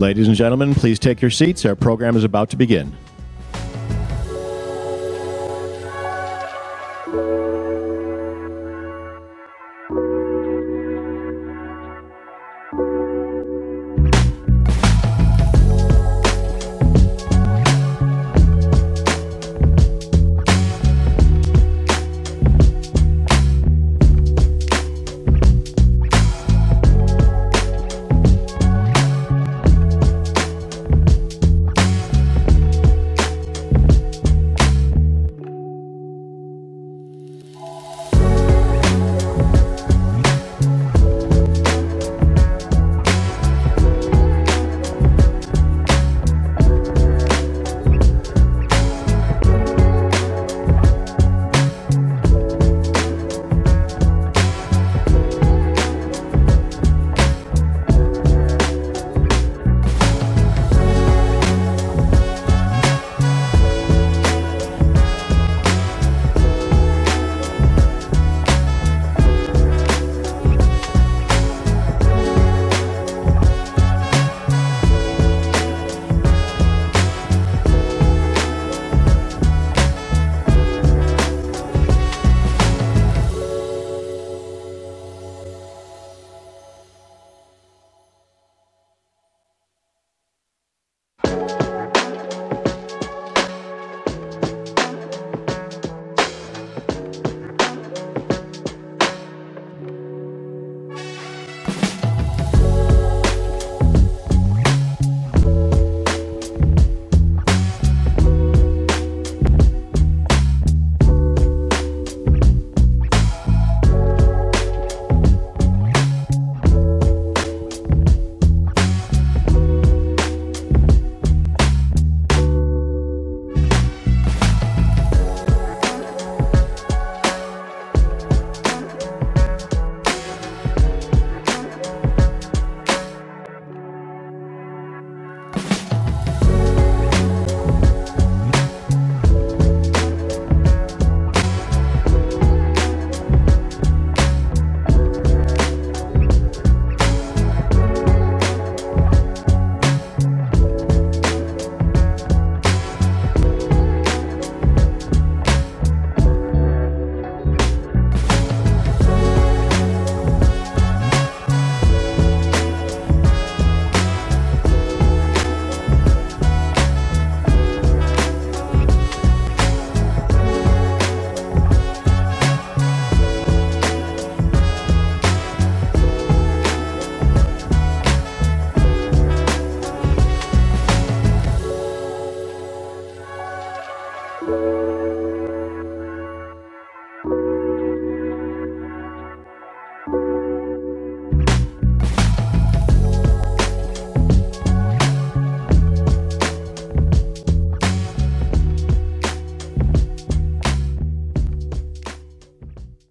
Ladies and gentlemen, please take your seats. Our program is about to begin.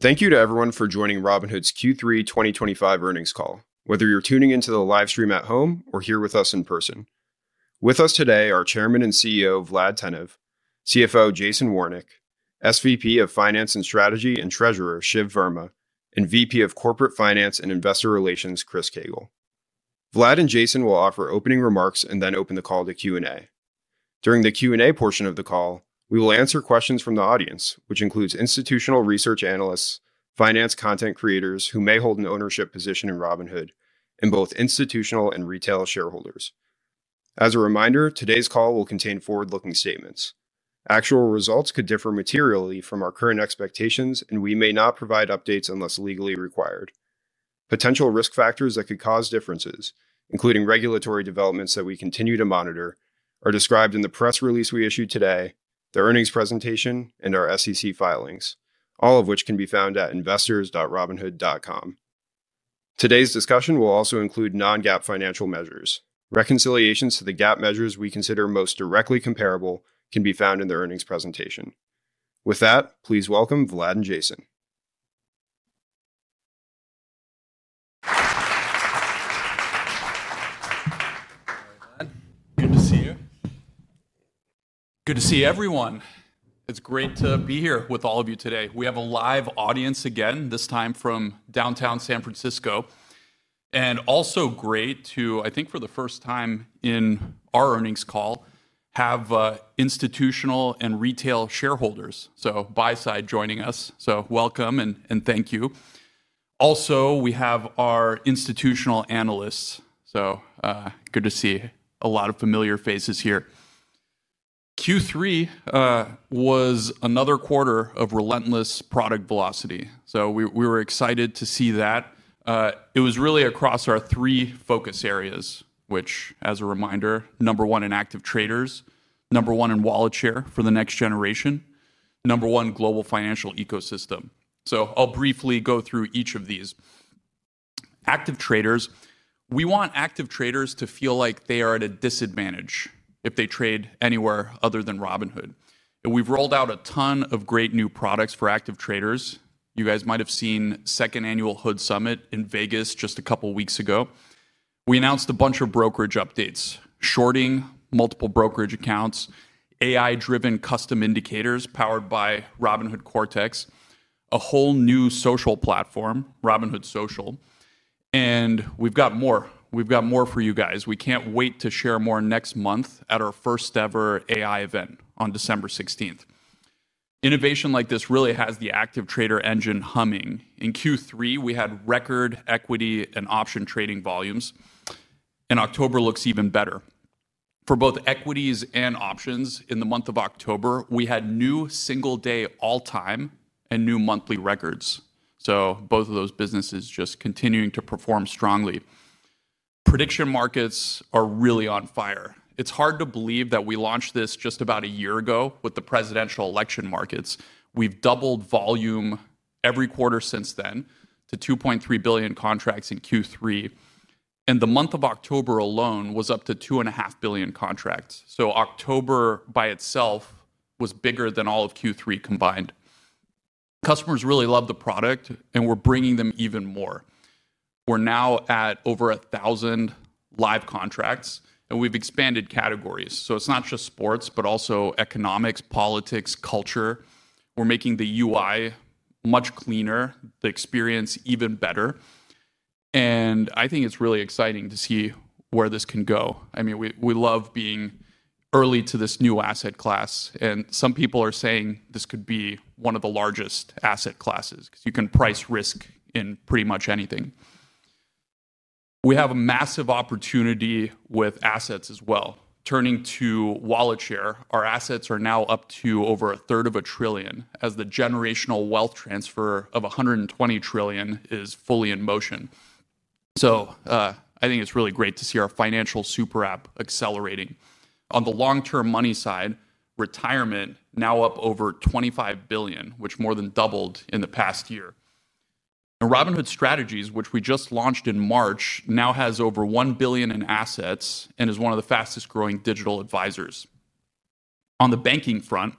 Thank you to everyone for joining Robinhood's Q3 2025 earnings call, whether you're tuning into the live stream at home or here with us in person. With us today are Chairman and CEO Vlad Tenev, CFO Jason Warnick, SVP of Finance and Strategy and Treasurer Shiv Verma, and VP of Corporate Finance and Investor Relations Chris Koegel. Vlad and Jason will offer opening remarks and then open the call to Q&A. During the Q&A portion of the call, we will answer questions from the audience, which includes institutional research analysts, finance content creators who may hold an ownership position in Robinhood, and both institutional and retail shareholders. As a reminder, today's call will contain forward-looking statements. Actual results could differ materially from our current expectations, and we may not provide updates unless legally required. Potential risk factors that could cause differences, including regulatory developments that we continue to monitor, are described in the press release we issued today, the earnings presentation, and our SEC filings, all of which can be found at investors.robinhood.com. Today's discussion will also include non-GAAP financial measures. Reconciliations to the GAAP measures we consider most directly comparable can be found in the earnings presentation. With that, please welcome Vlad and Jason. Good to see you. Good to see everyone. It's great to be here with all of you today. We have a live audience again, this time from downtown San Francisco. Also great to, I think for the first time in our earnings call, have institutional and retail shareholders, so Buy Side joining us. Welcome and thank you. Also, we have our institutional analysts. Good to see a lot of familiar faces here. Q3 was another quarter of relentless product velocity. We were excited to see that. It was really across our three focus areas, which, as a reminder, number one in active traders, number one in wallet share for the next generation, number one global financial ecosystem. I'll briefly go through each of these. Active traders, we want active traders to feel like they are at a disadvantage if they trade anywhere other than Robinhood. We have rolled out a ton of great new products for active traders. You guys might have seen the second annual HOOD Summit in Las Vegas just a couple of weeks ago. We announced a bunch of brokerage updates, shorting, multiple brokerage accounts, AI-driven custom indicators powered by Robinhood Cortex, a whole new social platform, Robinhood Social. We have more. We have more for you guys. We cannot wait to share more next month at our first-ever AI event on December 16th. Innovation like this really has the active trader engine humming. In Q3, we had record equity and option trading volumes. October looks even better. For both equities and options, in the month of October, we had new single-day all-time and new monthly records. Both of those businesses are just continuing to perform strongly. Prediction Markets are really on fire. It's hard to believe that we launched this just about a year ago with the presidential election markets. We've doubled volume every quarter since then to 2.3 billion contracts in Q3. The month of October alone was up to 2.5 billion contracts. October by itself was bigger than all of Q3 combined. Customers really love the product, and we're bringing them even more. We're now at over 1,000 live contracts, and we've expanded categories. It's not just sports, but also economics, politics, culture. We're making the UI much cleaner, the experience even better. I think it's really exciting to see where this can go. I mean, we love being early to this new asset class. Some people are saying this could be one of the largest asset classes because you can price risk in pretty much anything. We have a massive opportunity with assets as well. Turning to wallet share, our assets are now up to over 1/3 of a trillion as the generational wealth transfer of $120 trillion is fully in motion. I think it's really great to see our financial super app accelerating. On the long-term money side, retirement now up over $25 billion, which more than doubled in the past year. Robinhood Strategies, which we just launched in March, now has over $1 billion in assets and is one of the fastest-growing digital advisors. On the banking front,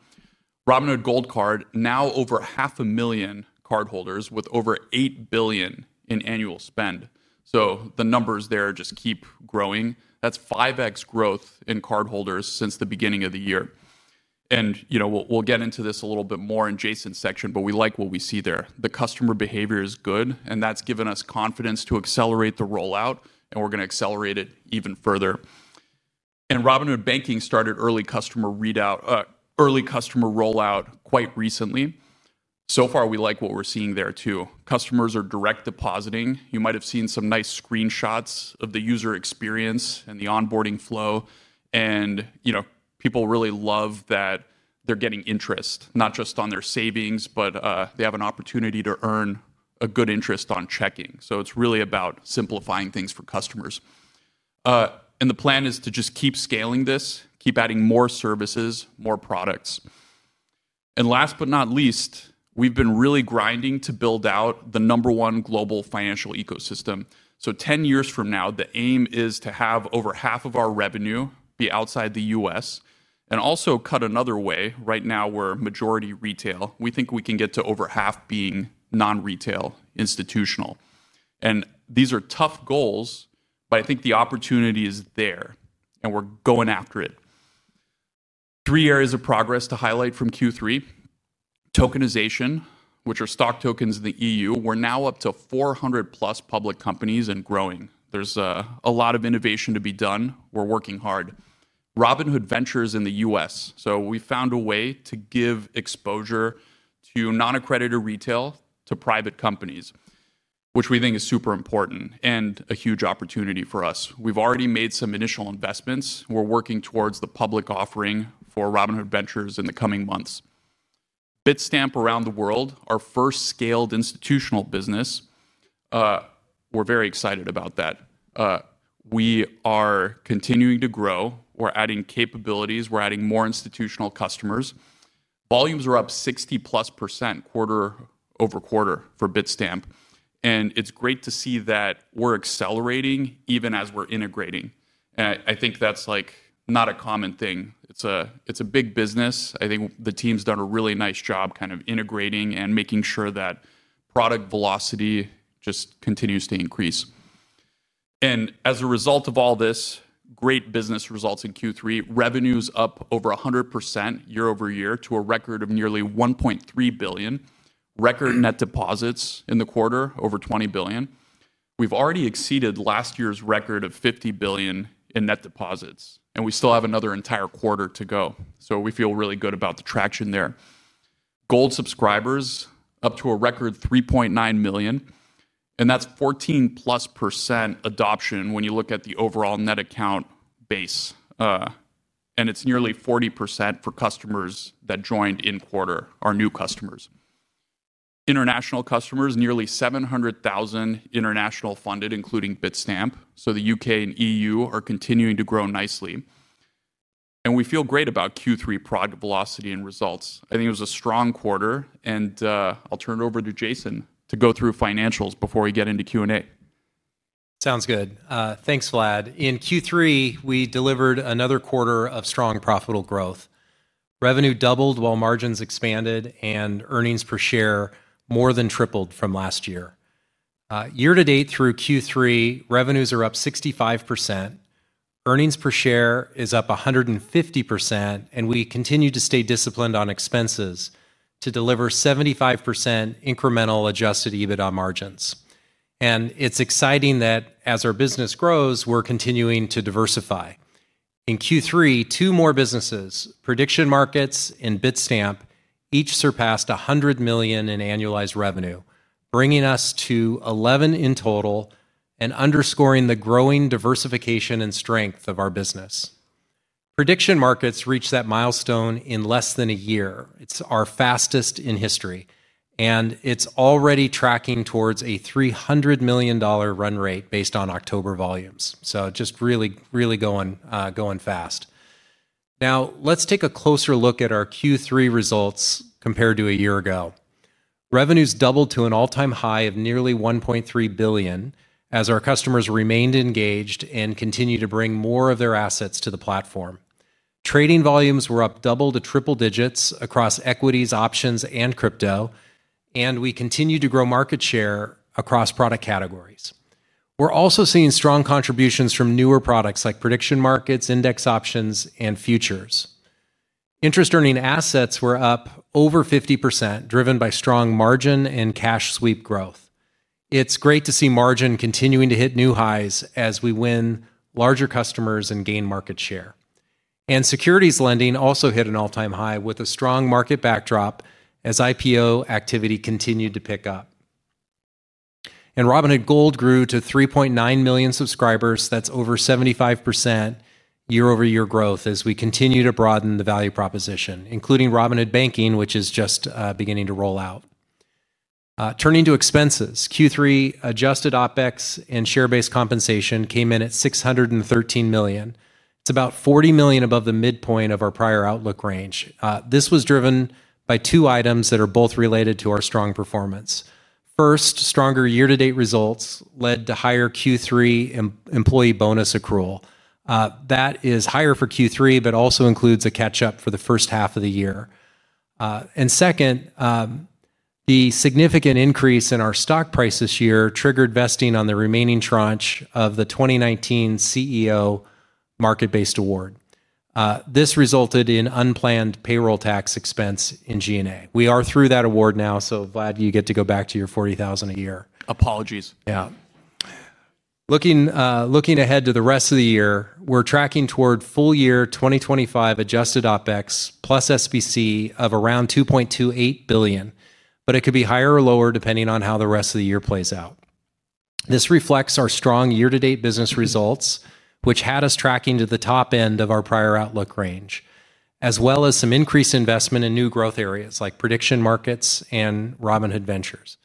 Robinhood Gold Card now over 500,000 cardholders with over $8 billion in annual spend. The numbers there just keep growing. That's 5x growth in cardholders since the beginning of the year. We'll get into this a little bit more in Jason's section, but we like what we see there. Customer behavior is good, and that has given us confidence to accelerate the rollout, and we are going to accelerate it even further. Robinhood Banking started early customer roll-out quite recently. So far, we like what we are seeing there too. Customers are direct depositing. You might have seen some nice screenshots of the user experience and the onboarding flow. People really love that they are getting interest, not just on their savings, but they have an opportunity to earn a good interest on checking. It is really about simplifying things for customers. The plan is to just keep scaling this, keep adding more services, more products. Last but not least, we have been really grinding to build out the number one global financial ecosystem. Ten years from now, the aim is to have over half of our revenue be outside the U.S. and also cut another way. Right now, we're majority retail. We think we can get to over half being non-retail, institutional. These are tough goals, but I think the opportunity is there, and we're going after it. Three areas of progress to highlight from Q3. Tokenization, which are stock tokens in the EU. We're now up to 400+ public companies and growing. There's a lot of innovation to be done. We're working hard. Robinhood Ventures in the U.S. We found a way to give exposure to non-accredited retail to private companies, which we think is super important and a huge opportunity for us. We've already made some initial investments. We're working towards the public offering for Robinhood Ventures in the coming months. Bitstamp Around the World, our first scaled institutional business. We're very excited about that. We are continuing to grow. We're adding capabilities. We're adding more institutional customers. Volumes are up 60%+ quarter-over-quarter for Bitstamp. It's great to see that we're accelerating even as we're integrating. I think that's not a common thing. It's a big business. I think the team's done a really nice job kind of integrating and making sure that product velocity just continues to increase. As a result of all this, great business results in Q3. Revenues up over 100% year-over-year to a record of nearly $1.3 billion. Record net deposits in the quarter, over $20 billion. We've already exceeded last year's record of $50 billion in net deposits, and we still have another entire quarter to go. We feel really good about the traction there. Gold subscribers up to a record 3.9 million. That's 14%+ adoption when you look at the overall net account base. It's nearly 40% for customers that joined in quarter, our new customers. International customers, nearly 700,000 international funded, including Bitstamp. The U.K. and EU are continuing to grow nicely. We feel great about Q3 product velocity and results. I think it was a strong quarter. I'll turn it over to Jason to go through financials before we get into Q&A. Sounds good. Thanks, Vlad. In Q3, we delivered another quarter of strong profitable growth. Revenue doubled while margins expanded and earnings per share more than tripled from last year. Year to date through Q3, revenues are up 65%. Earnings per share is up 150%, and we continue to stay disciplined on expenses to deliver 75% incremental adjusted EBITDA margins. It is exciting that as our business grows, we are continuing to diversify. In Q3, two more businesses, Prediction Markets and Bitstamp, each surpassed $100 million in annualized revenue, bringing us to 11 in total and underscoring the growing diversification and strength of our business. Prediction Markets reached that milestone in less than a year. It is our fastest in history. It is already tracking towards a $300 million run rate based on October volumes. Just really, really going fast. Now, let's take a closer look at our Q3 results compared to a year ago. Revenues doubled to an all-time high of nearly $1.3 billion as our customers remained engaged and continued to bring more of their assets to the platform. Trading volumes were up double to triple digits across equities, options, and crypto. We continued to grow market share across product categories. We're also seeing strong contributions from newer products like Prediction Markets, index options, and futures. Interest-earning assets were up over 50%, driven by strong margin and cash sweep growth. It's great to see margin continuing to hit new highs as we win larger customers and gain market share. Securities lending also hit an all-time high with a strong market backdrop as IPO activity continued to pick up. Robinhood Gold grew to 3.9 million subscribers. That's over 75%. Year-over-year growth as we continue to broaden the value proposition, including Robinhood Banking, which is just beginning to roll out. Turning to expenses, Q3 adjusted OpEx and share-based compensation came in at $613 million. It's about $40 million above the midpoint of our prior outlook range. This was driven by two items that are both related to our strong performance. First, stronger year-to-date results led to higher Q3 employee bonus accrual. That is higher for Q3, but also includes a catch-up for the first half of the year. Second, the significant increase in our stock price this year triggered vesting on the remaining tranche of the 2019 CEO Market-Based Award. This resulted in unplanned payroll tax expense in G&A. We are through that award now, so glad you get to go back to your $40,000 a year. Apologies. Yeah. Looking ahead to the rest of the year, we're tracking toward full year 2025 adjusted OpEx plus SBC of around $2.28 billion, but it could be higher or lower depending on how the rest of the year plays out. This reflects our strong year-to-date business results, which had us tracking to the top end of our prior outlook range, as well as some increased investment in new growth areas like Prediction Markets and Robinhood Ventures.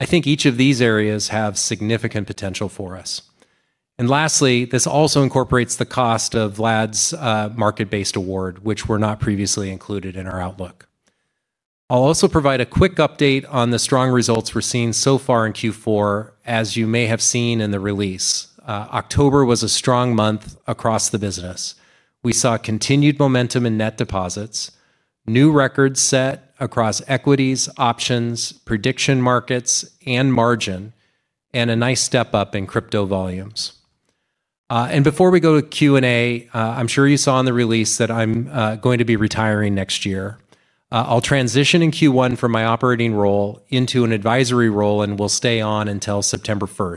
I think each of these areas have significant potential for us. Lastly, this also incorporates the cost of Vlad's Market-Based Award, which were not previously included in our outlook. I'll also provide a quick update on the strong results we're seeing so far in Q4, as you may have seen in the release. October was a strong month across the business. We saw continued momentum in net deposits, new records set across equities, options, Prediction Markets, and margin, and a nice step up in crypto volumes. Before we go to Q&A, I'm sure you saw in the release that I'm going to be retiring next year. I'll transition in Q1 from my operating role into an advisory role and will stay on until September 1.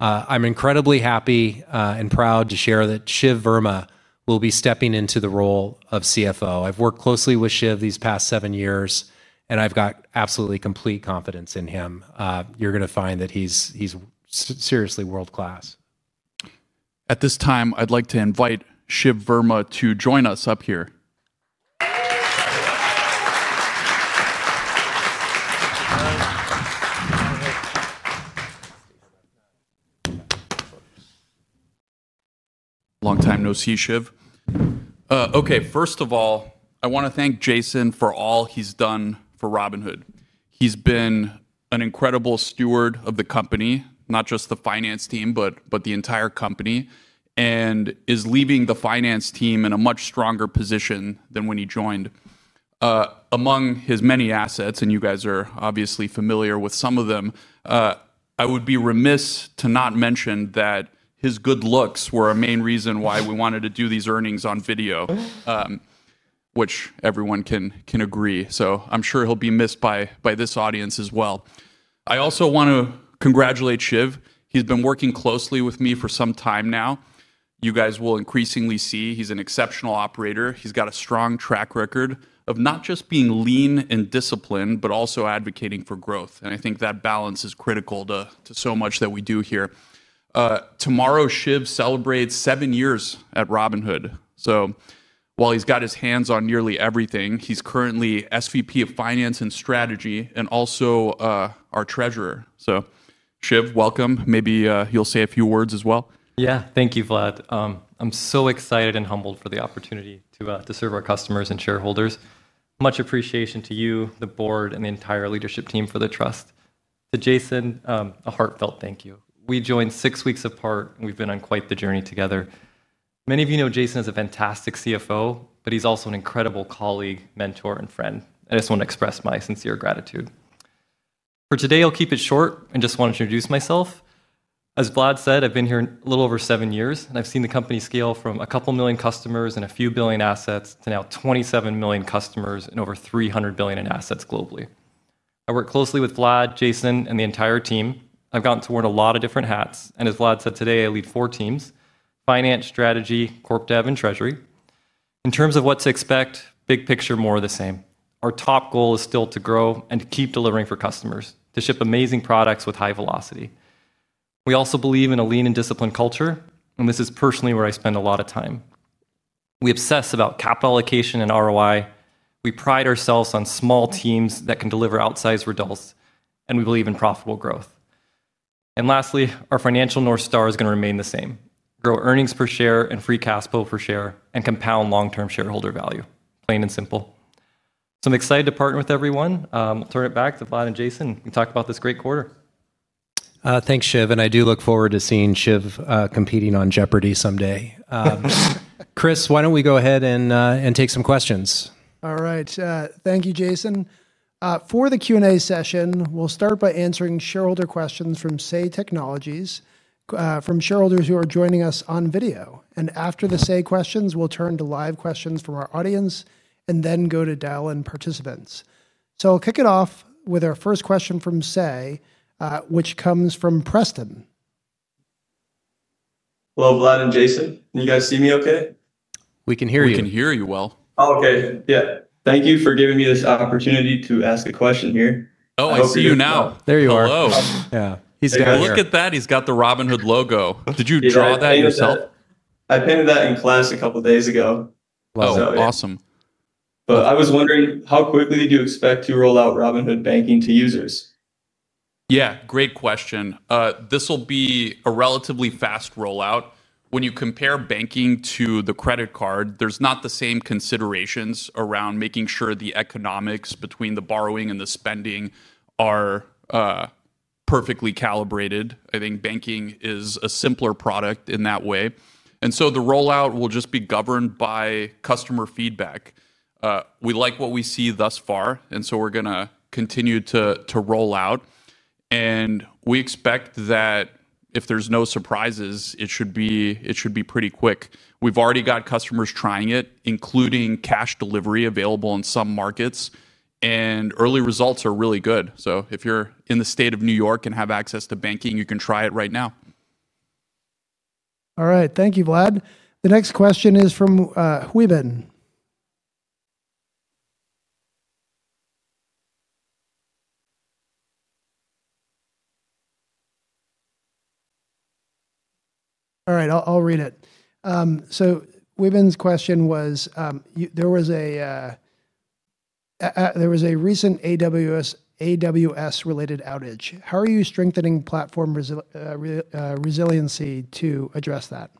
I'm incredibly happy and proud to share that Shiv Verma will be stepping into the role of CFO. I've worked closely with Shiv these past seven years, and I've got absolutely complete confidence in him. You're going to find that he's seriously world-class. At this time, I'd like to invite Shiv Verma to join us up here. Long time no see, Shiv. Okay, first of all, I want to thank Jason for all he's done for Robinhood. He's been an incredible steward of the company, not just the finance team, but the entire company, and is leaving the finance team in a much stronger position than when he joined. Among his many assets, and you guys are obviously familiar with some of them, I would be remiss to not mention that his good looks were a main reason why we wanted to do these earnings on video. Which everyone can agree. I'm sure he'll be missed by this audience as well. I also want to congratulate Shiv. He's been working closely with me for some time now. You guys will increasingly see he's an exceptional operator. He's got a strong track record of not just being lean and disciplined, but also advocating for growth. I think that balance is critical to so much that we do here. Tomorrow, Shiv celebrates seven years at Robinhood. While he's got his hands on nearly everything, he's currently SVP of Finance and Strategy and also our Treasurer. Shiv, welcome. Maybe you'll say a few words as well. Yeah, thank you, Vlad. I'm so excited and humbled for the opportunity to serve our customers and shareholders. Much appreciation to you, the board, and the entire leadership team for the trust. To Jason, a heartfelt thank you. We joined six weeks apart, and we've been on quite the journey together. Many of you know Jason as a fantastic CFO, but he's also an incredible colleague, mentor, and friend. I just want to express my sincere gratitude. For today, I'll keep it short and just want to introduce myself. As Vlad said, I've been here a little over seven years, and I've seen the company scale from a couple million customers and a few billion assets to now 27 million customers and over $300 billion in assets globally. I work closely with Vlad, Jason, and the entire team. I've gotten to wear a lot of different hats. As Vlad said today, I lead four teams: Finance, Strategy, Corp Dev, and Treasury. In terms of what to expect, big picture more of the same. Our top goal is still to grow and to keep delivering for customers, to ship amazing products with high velocity. We also believe in a lean and disciplined culture, and this is personally where I spend a lot of time. We obsess about capital allocation and ROI. We pride ourselves on small teams that can deliver outsized results, and we believe in profitable growth. Lastly, our financial North Star is going to remain the same: grow earnings per share and free cash flow per share and compound long-term shareholder value. Plain and simple. I'm excited to partner with everyone. I'll turn it back to Vlad and Jason. We talked about this great quarter. Thanks, Shiv. I do look forward to seeing Shiv competing on Jeopardy someday. Chris, why don't we go ahead and take some questions? All right. Thank you, Jason. For the Q&A session, we'll start by answering shareholder questions from Say Technologies from shareholders who are joining us on video. After the Say questions, we'll turn to live questions from our audience and then go to Dell and participants. I'll kick it off with our first question from Say, which comes from Preston. Hello, Vlad and Jason. Can you guys see me okay? We can hear you. We can hear you well. Oh, okay. Yeah. Thank you for giving me this opportunity to ask a question here. Oh, I see you now. There you are. Hello. Yeah. He's got it. Look at that. He's got the Robinhood logo. Did you draw that yourself? I painted that in class a couple of days ago. Whoa. Awesome. I was wondering, how quickly do you expect to roll out Robinhood Banking to users? Yeah, great question. This will be a relatively fast rollout. When you compare banking to the credit card, there's not the same considerations around making sure the economics between the borrowing and the spending are perfectly calibrated. I think banking is a simpler product in that way. The rollout will just be governed by customer feedback. We like what we see thus far, and we're going to continue to roll out. We expect that if there's no surprises, it should be pretty quick. We've already got customers trying it, including cash delivery available in some markets. Early results are really good. If you're in the state of New York and have access to banking, you can try it right now. All right. Thank you, Vlad. The next question is from Wibin. All right, I'll read it. Wibin's question was, there was a recent AWS-related outage. How are you strengthening platform resiliency to address that?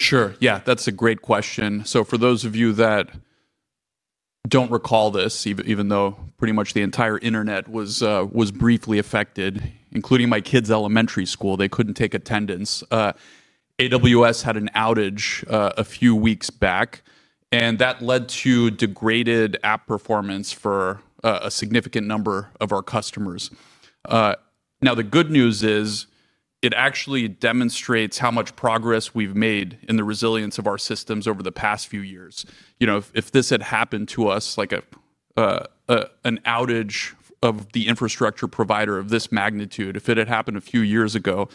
Sure. Yeah, that's a great question. For those of you that do not recall this, even though pretty much the entire internet was briefly affected, including my kids' elementary school, they could not take attendance. AWS had an outage a few weeks back. That led to degraded app performance for a significant number of our customers. The good news is it actually demonstrates how much progress we have made in the resilience of our systems over the past few years. If this had happened to us, like an outage of the infrastructure provider of this magnitude, if it had happened a few years ago,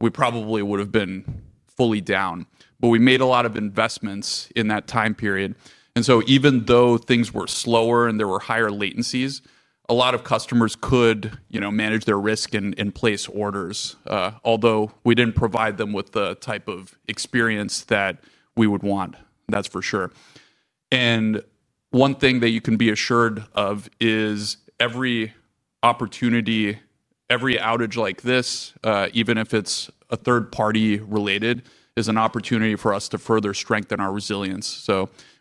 we probably would have been fully down. We made a lot of investments in that time period. Even though things were slower and there were higher latencies, a lot of customers could manage their risk and place orders, although we did not provide them with the type of experience that we would want. That is for sure. One thing that you can be assured of is every opportunity, every outage like this, even if it is third-party related, is an opportunity for us to further strengthen our resilience.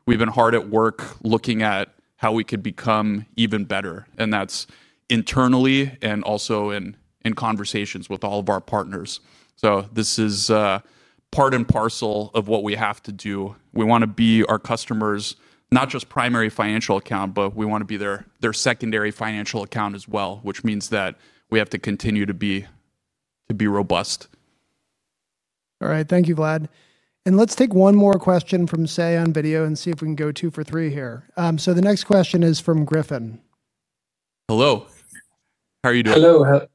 We have been hard at work looking at how we could become even better. That is internally and also in conversations with all of our partners. This is part and parcel of what we have to do. We want to be our customers' not just primary financial account, but we want to be their secondary financial account as well, which means that we have to continue to be robust. All right. Thank you, Vlad. Let's take one more question from Say on video and see if we can go two for three here. The next question is from Griffin. Hello. How are you doing? Hello.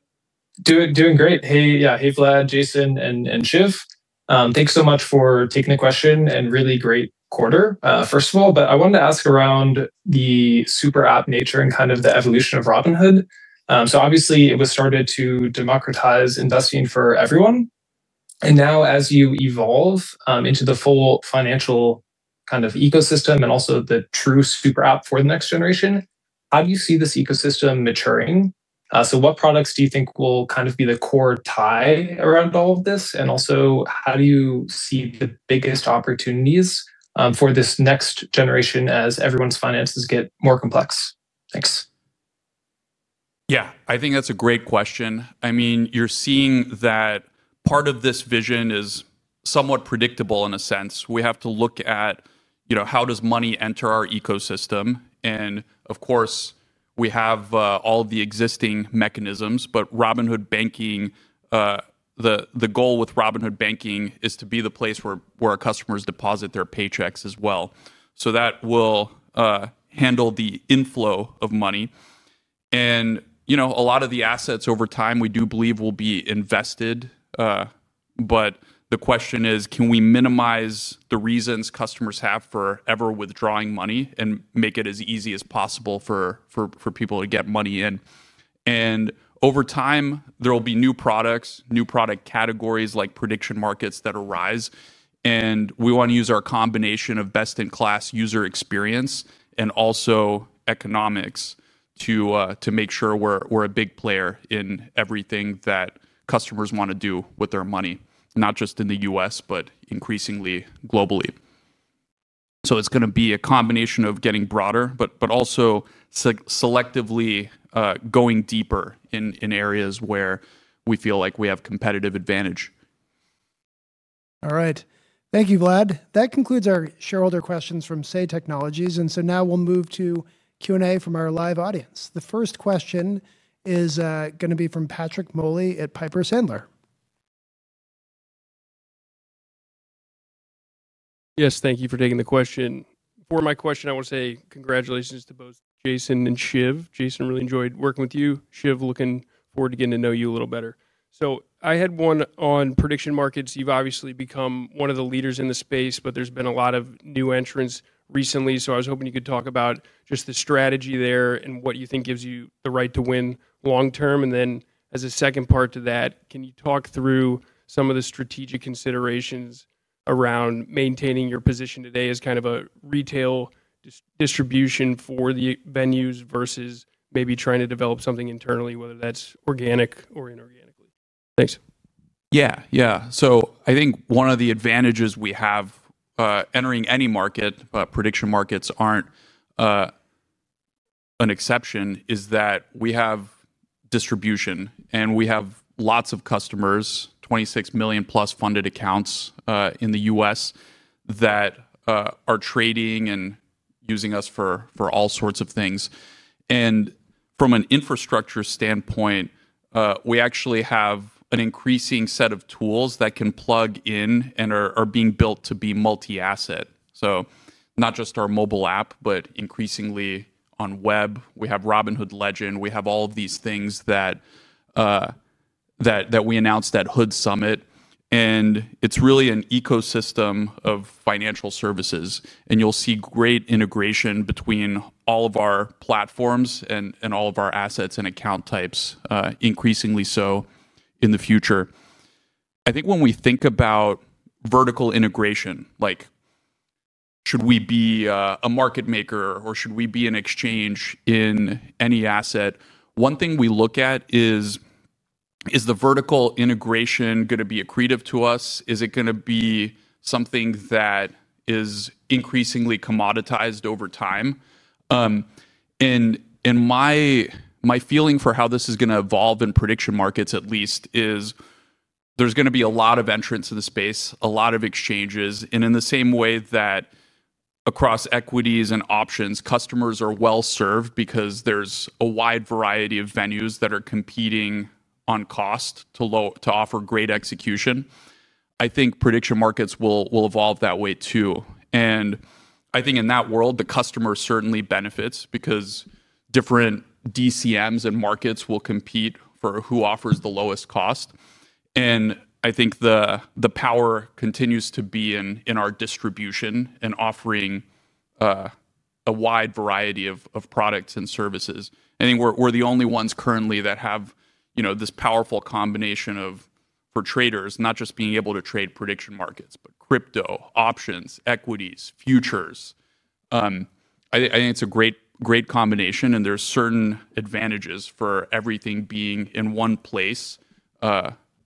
Doing great. Yeah, hey, Vlad, Jason, and Shiv. Thanks so much for taking the question and really great quarter, first of all. I wanted to ask around the super app nature and kind of the evolution of Robinhood. Obviously, it was started to democratize investing for everyone. Now, as you evolve into the full financial kind of ecosystem and also the true super app for the next generation, how do you see this ecosystem maturing? What products do you think will kind of be the core tie around all of this? How do you see the biggest opportunities for this next generation as everyone's finances get more complex? Thanks. Yeah, I think that's a great question. I mean, you're seeing that part of this vision is somewhat predictable in a sense. We have to look at how does money enter our ecosystem? Of course, we have all the existing mechanisms. Robinhood Banking, the goal with Robinhood Banking is to be the place where our customers deposit their paychecks as well. That will handle the inflow of money. A lot of the assets over time, we do believe will be invested. The question is, can we minimize the reasons customers have for ever withdrawing money and make it as easy as possible for people to get money in? Over time, there will be new products, new product categories like Prediction Markets that arise. We want to use our combination of best-in-class user experience and also economics to make sure we are a big player in everything that customers want to do with their money, not just in the U.S., but increasingly globally. It is going to be a combination of getting broader, but also selectively going deeper in areas where we feel like we have competitive advantage. All right. Thank you, Vlad. That concludes our shareholder questions from Say Technologies. Now we'll move to Q&A from our live audience. The first question is going to be from Patrick Moley at Piper Sandler. Yes, thank you for taking the question. For my question, I want to say congratulations to both Jason and Shiv. Jason, really enjoyed working with you. Shiv, looking forward to getting to know you a little better. I had one on Prediction Markets. You've obviously become one of the leaders in the space, but there's been a lot of new entrants recently. I was hoping you could talk about just the strategy there and what you think gives you the right to win long-term. As a second part to that, can you talk through some of the strategic considerations around maintaining your position today as kind of a retail distribution for the venues versus maybe trying to develop something internally, whether that's organic or inorganically? Thanks. Yeah, yeah. I think one of the advantages we have entering any market, but Prediction Markets aren't an exception, is that we have distribution and we have lots of customers, 26 million+ funded accounts in the US that are trading and using us for all sorts of things. From an infrastructure standpoint, we actually have an increasing set of tools that can plug in and are being built to be multi-asset. Not just our mobile app, but increasingly on web. We have Robinhood Legend. We have all of these things that we announced at HOOD Summit. It is really an ecosystem of financial services. You will see great integration between all of our platforms and all of our assets and account types, increasingly so in the future. I think when we think about vertical integration, like. Should we be a market maker or should we be an exchange in any asset, one thing we look at is, is the vertical integration going to be accretive to us? Is it going to be something that is increasingly commoditized over time? My feeling for how this is going to evolve in Prediction Markets, at least, is, there is going to be a lot of entrants in the space, a lot of exchanges. In the same way that across equities and options, customers are well served because there is a wide variety of venues that are competing on cost to offer great execution, I think Prediction Markets will evolve that way too. I think in that world, the customer certainly benefits because different DCMs and markets will compete for who offers the lowest cost. I think the power continues to be in our distribution and offering. A wide variety of products and services. I think we're the only ones currently that have this powerful combination for traders, not just being able to trade Prediction Markets, but crypto, options, equities, futures. I think it's a great combination. There are certain advantages for everything being in one place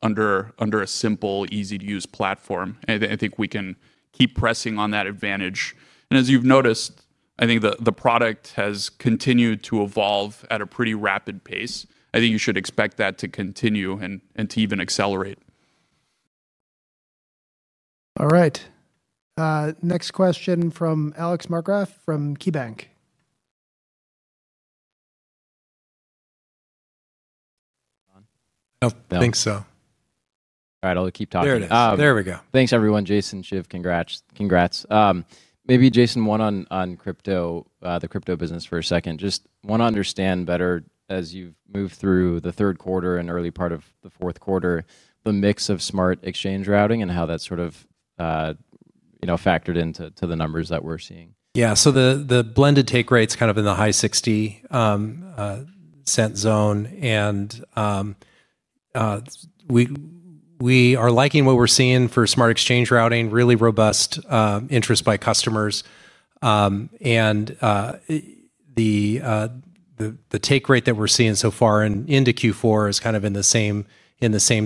under a simple, easy-to-use platform. I think we can keep pressing on that advantage. As you've noticed, I think the product has continued to evolve at a pretty rapid pace. I think you should expect that to continue and to even accelerate. All right. Next question from Alex Markgraff from KeyBanc. I don't think so. All right, I'll keep talking. There it is. There we go. Thanks, everyone. Jason, Shiv, congrats. Maybe Jason, one on crypto, the crypto business for a second. Just want to understand better as you've moved through the third quarter and early part of the fourth quarter, the mix of Smart Exchange Routing and how that sort of factored into the numbers that we're seeing. Yeah, so the blended take rate's kind of in the high $0.60 zone. We are liking what we're seeing for Smart Exchange Routing, really robust interest by customers. The take rate that we're seeing so far in Q4 is kind of in the same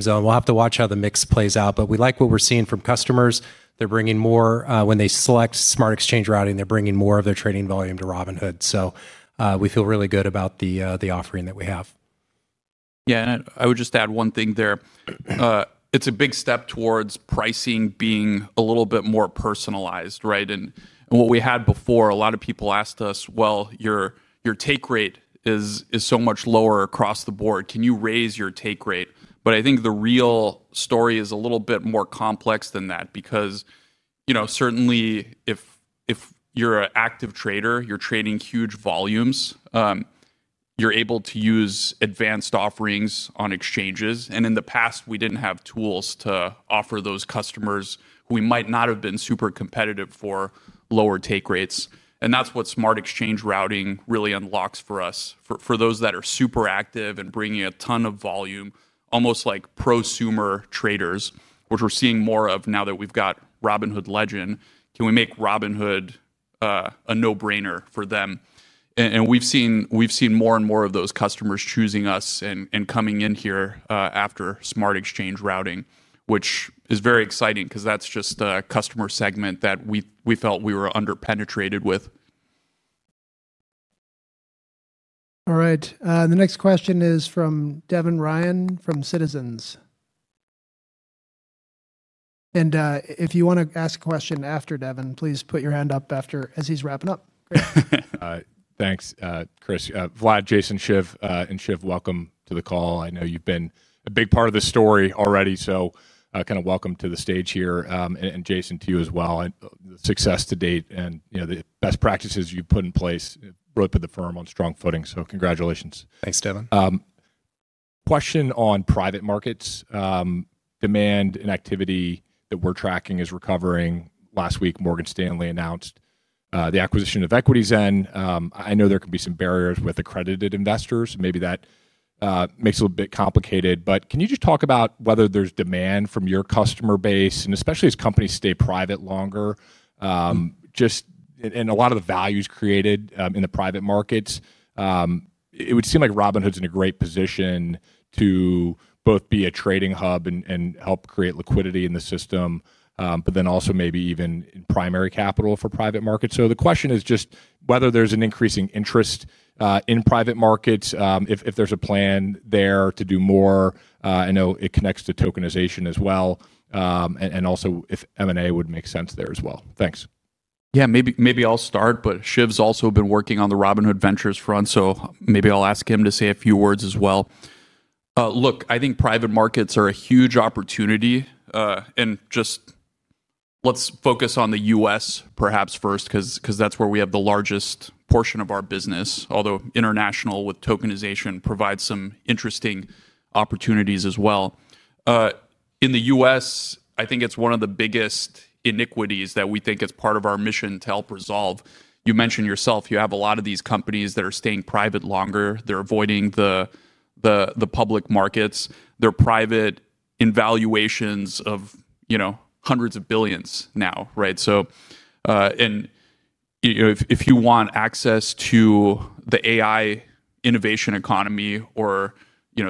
zone. We'll have to watch how the mix plays out. We like what we're seeing from customers. They're bringing more when they select Smart Exchange Routing, they're bringing more of their trading volume to Robinhood. We feel really good about the offering that we have. Yeah, and I would just add one thing there. It's a big step towards pricing being a little bit more personalized, right? What we had before, a lot of people asked us, well, your take rate is so much lower across the board. Can you raise your take rate? I think the real story is a little bit more complex than that because certainly, if you're an active trader, you're trading huge volumes, you're able to use advanced offerings on exchanges. In the past, we didn't have tools to offer those customers who we might not have been super competitive for lower take rates. That's what Smart Exchange Routing really unlocks for us. For those that are super active and bringing a ton of volume, almost like prosumer traders, which we're seeing more of now that we've got Robinhood Legend, can we make Robinhood. A no-brainer for them? We have seen more and more of those customers choosing us and coming in here after Smart Exchange Routing, which is very exciting because that is just a customer segment that we felt we were under-penetrated with. All right. The next question is from Devin Ryan from Citizens. If you want to ask a question after Devin, please put your hand up as he's wrapping up. Thanks, Chris. Vlad, Jason, Shiv, and Shiv, welcome to the call. I know you've been a big part of the story already. Kind of welcome to the stage here. Jason, to you as well. Success to date and the best practices you've put in place brought the firm on strong footing. Congratulations. Thanks, Devin. Question on private markets. Demand and activity that we're tracking is recovering. Last week, Morgan Stanley announced the acquisition of EquityZen. I know there can be some barriers with accredited investors. Maybe that makes it a little bit complicated. Can you just talk about whether there's demand from your customer base? Especially as companies stay private longer and a lot of the value is created in the private markets. It would seem like Robinhood's in a great position to both be a trading hub and help create liquidity in the system, but then also maybe even primary capital for private markets. The question is just whether there's an increasing interest in private markets, if there's a plan there to do more. I know it connects to tokenization as well. Also, if M&A would make sense there as well. Thanks. Yeah, maybe I'll start, but Shiv's also been working on the Robinhood Ventures front. Maybe I'll ask him to say a few words as well. Look, I think private markets are a huge opportunity. Just, let's focus on the U.S. perhaps first because that's where we have the largest portion of our business, although international with tokenization provides some interesting opportunities as well. In the U.S., I think it's one of the biggest iniquities that we think is part of our mission to help resolve. You mentioned yourself, you have a lot of these companies that are staying private longer. They're avoiding the public markets. They're private in valuations of hundreds of billions now, right? If you want access to the AI innovation economy or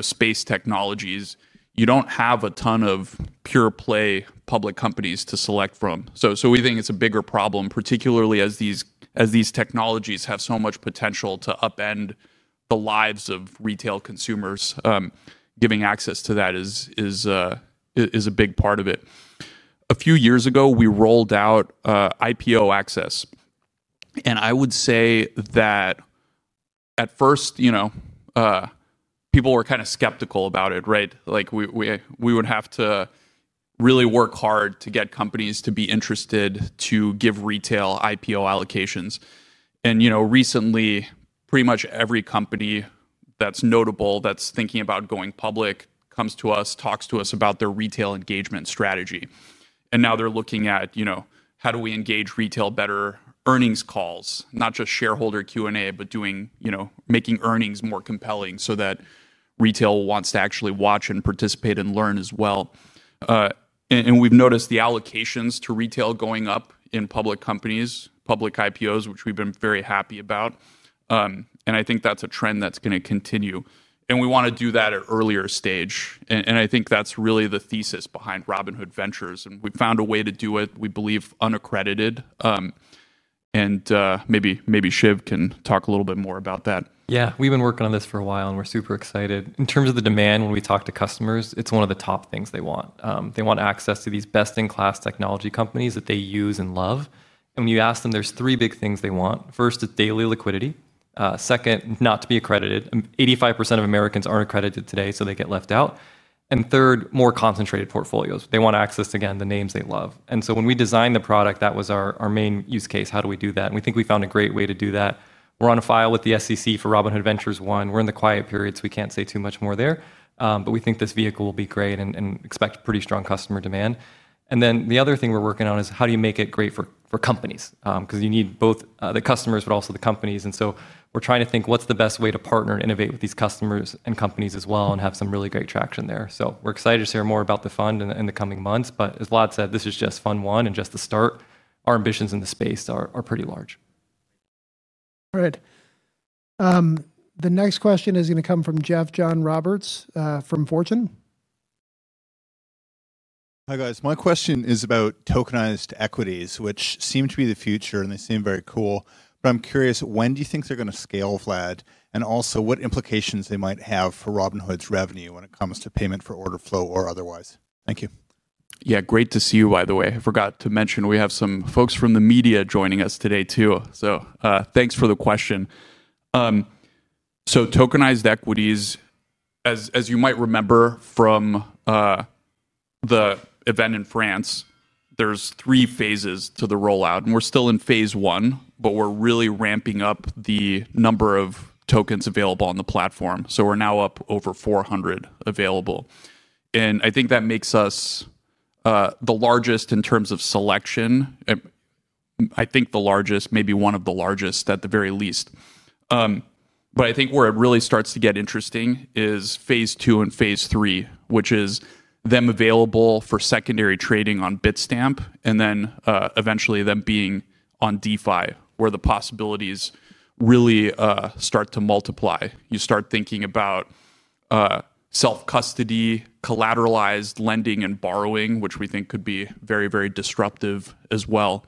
space technologies, you don't have a ton of pure play public companies to select from. We think it's a bigger problem, particularly as these technologies have so much potential to upend the lives of retail consumers. Giving access to that is a big part of it. A few years ago, we rolled out IPO Access. I would say that at first, people were kind of skeptical about it, right? We would have to really work hard to get companies to be interested to give retail IPO allocations. Recently, pretty much every company that's notable that's thinking about going public comes to us, talks to us about their retail engagement strategy. Now they're looking at how do we engage retail better—earnings calls, not just shareholder Q&A, but making earnings more compelling so that retail wants to actually watch and participate and learn as well. We have noticed the allocations to retail going up in public companies, public IPOs, which we have been very happy about. I think that is a trend that is going to continue. We want to do that at an earlier stage. I think that is really the thesis behind Robinhood Ventures. We found a way to do it. We believe unaccredited. Maybe Shiv can talk a little bit more about that. Yeah, we've been working on this for a while and we're super excited. In terms of the demand, when we talk to customers, it's one of the top things they want. They want access to these best-in-class technology companies that they use and love. When you ask them, there's three big things they want. First, it's daily liquidity. Second, not to be accredited. 85% of Americans aren't accredited today, so they get left out. Third, more concentrated portfolios. They want access to, again, the names they love. When we designed the product, that was our main use case. How do we do that? We think we found a great way to do that. We're on file with the SEC for Robinhood Ventures One. We're in the quiet period, so we can't say too much more there. We think this vehicle will be great and expect pretty strong customer demand. The other thing we're working on is how do you make it great for companies? Because you need both the customers, but also the companies. We're trying to think what's the best way to partner and innovate with these customers and companies as well and have some really great traction there. We're excited to hear more about the fund in the coming months. As Vlad said, this is just Fund One and just the start. Our ambitions in the space are pretty large. All right. The next question is going to come from Jeff John Roberts from Fortune. Hi guys. My question is about tokenized equities, which seem to be the future and they seem very cool. I am curious, when do you think they're going to scale, Vlad? Also, what implications they might have for Robinhood's revenue when it comes to Payment for Order Flow or otherwise? Thank you. Yeah, great to see you, by the way. I forgot to mention we have some folks from the media joining us today too. Thanks for the question. Tokenized equities, as you might remember from the event in France, there are three phases to the rollout. We're still in phase one, but we're really ramping up the number of tokens available on the platform. We're now up over 400 available, and I think that makes us the largest in terms of selection. I think the largest, maybe one of the largest at the very least. I think where it really starts to get interesting is phase two and phase three, which is them available for secondary trading on Bitstamp and then eventually them being on DeFi where the possibilities really start to multiply. You start thinking about. Self-Custody, Collateralized Lending and borrowing, which we think could be very, very disruptive as well.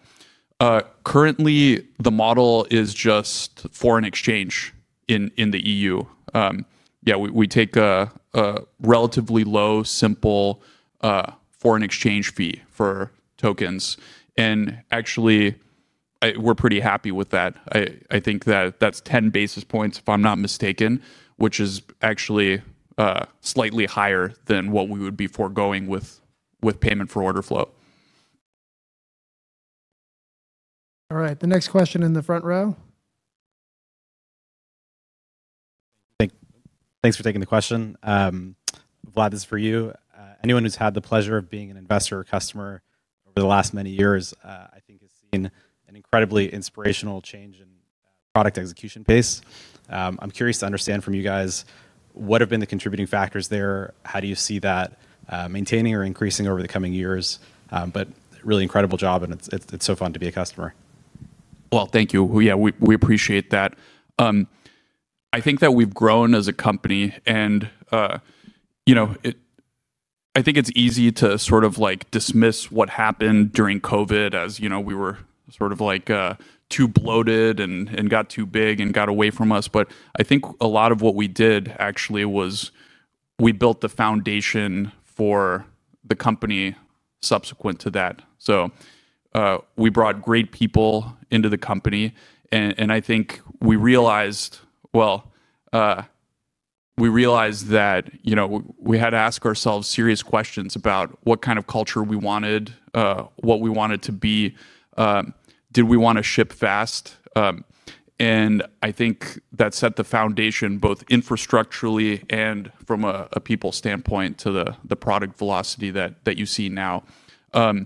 Currently, the model is just foreign exchange in the EU. Yeah, we take a relatively low, simple foreign exchange fee for tokens. And actually, we're pretty happy with that. I think that that's 10 basis points, if I'm not mistaken, which is actually slightly higher than what we would be foregoing with Payment for Order Flow. All right. The next question in the front row. Thanks for taking the question. Vlad, this is for you. Anyone who's had the pleasure of being an investor or customer over the last many years, I think, has seen an incredibly inspirational change in product execution pace. I'm curious to understand from you guys, what have been the contributing factors there? How do you see that maintaining or increasing over the coming years? Really incredible job, and it's so fun to be a customer. Thank you. Yeah, we appreciate that. I think that we've grown as a company. I think it's easy to sort of dismiss what happened during COVID as we were sort of too bloated and got too big and got away from us. I think a lot of what we did actually was we built the foundation for the company subsequent to that. We brought great people into the company. I think we realized, well, we realized that we had to ask ourselves serious questions about what kind of culture we wanted, what we wanted to be. Did we want to ship fast? I think that set the foundation both infrastructurally and from a people standpoint to the product velocity that you see now. I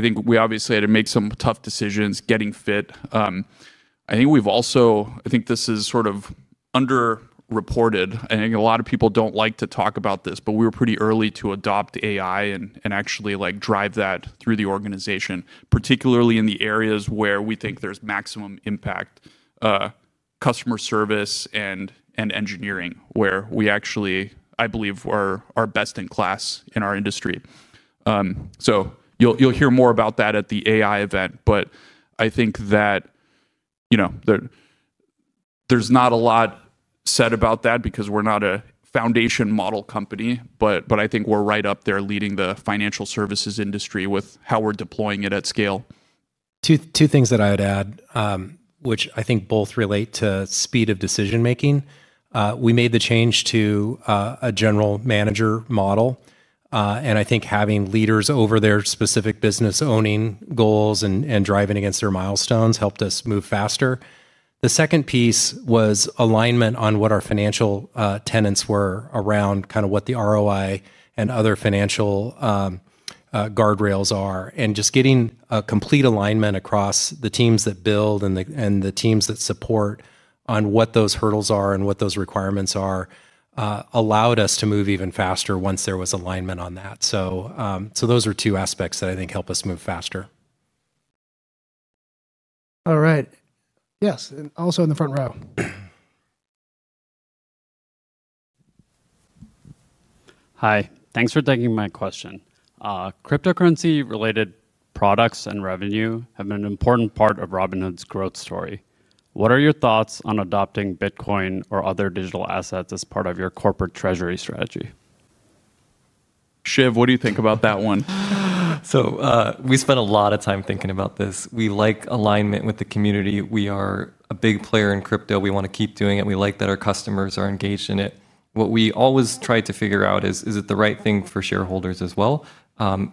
think we obviously had to make some tough decisions getting fit. I think we've also, I think this is sort of underreported. I think a lot of people don't like to talk about this, but we were pretty early to adopt AI and actually drive that through the organization, particularly in the areas where we think there's maximum impact, customer service, and engineering where we actually, I believe, are best in class in our industry. You'll hear more about that at the AI event. I think that. There's not a lot said about that because we're not a foundation model company. I think we're right up there leading the financial services industry with how we're deploying it at scale. Two things that I would add, which I think both relate to speed of decision-making. We made the change to a general manager model. I think having leaders over their specific business owning goals and driving against their milestones helped us move faster. The second piece was alignment on what our financial tenets were around kind of what the ROI and other financial guardrails are. Just getting a complete alignment across the teams that build and the teams that support on what those hurdles are and what those requirements are allowed us to move even faster once there was alignment on that. Those are two aspects that I think help us move faster. All right. Yes, also in the front row. Hi. Thanks for taking my question. Cryptocurrency-related products and revenue have been an important part of Robinhood's growth story. What are your thoughts on adopting Bitcoin or other digital assets as part of your corporate treasury strategy? Shiv, what do you think about that one? We spent a lot of time thinking about this. We like alignment with the community. We are a big player in crypto. We want to keep doing it. We like that our customers are engaged in it. What we always try to figure out is, is it the right thing for shareholders as well?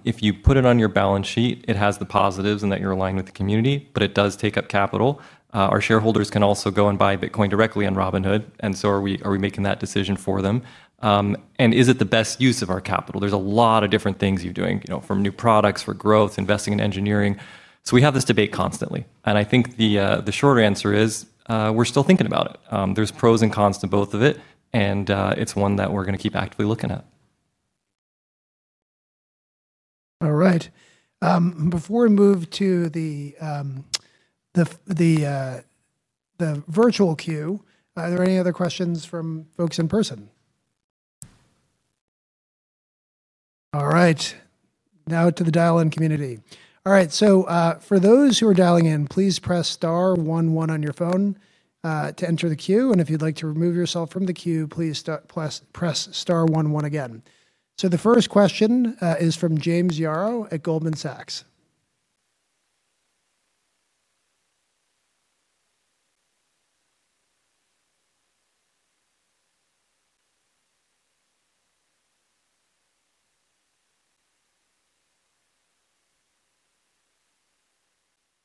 If you put it on your balance sheet, it has the positives in that you're aligned with the community, but it does take up capital. Our shareholders can also go and buy Bitcoin directly on Robinhood. Are we making that decision for them? Is it the best use of our capital? There are a lot of different things you're doing from new products for growth, investing in engineering. We have this debate constantly. I think the short answer is we're still thinking about it. There's pros and cons to both of it. It's one that we're going to keep actively looking at. All right. Before we move to the virtual queue, are there any other questions from folks in person? All right. Now to the dial-in community. All right. For those who are dialing in, please press star one one on your phone to enter the queue. If you'd like to remove yourself from the queue, please press star one one again. The first question is from James Yarrow at Goldman Sachs.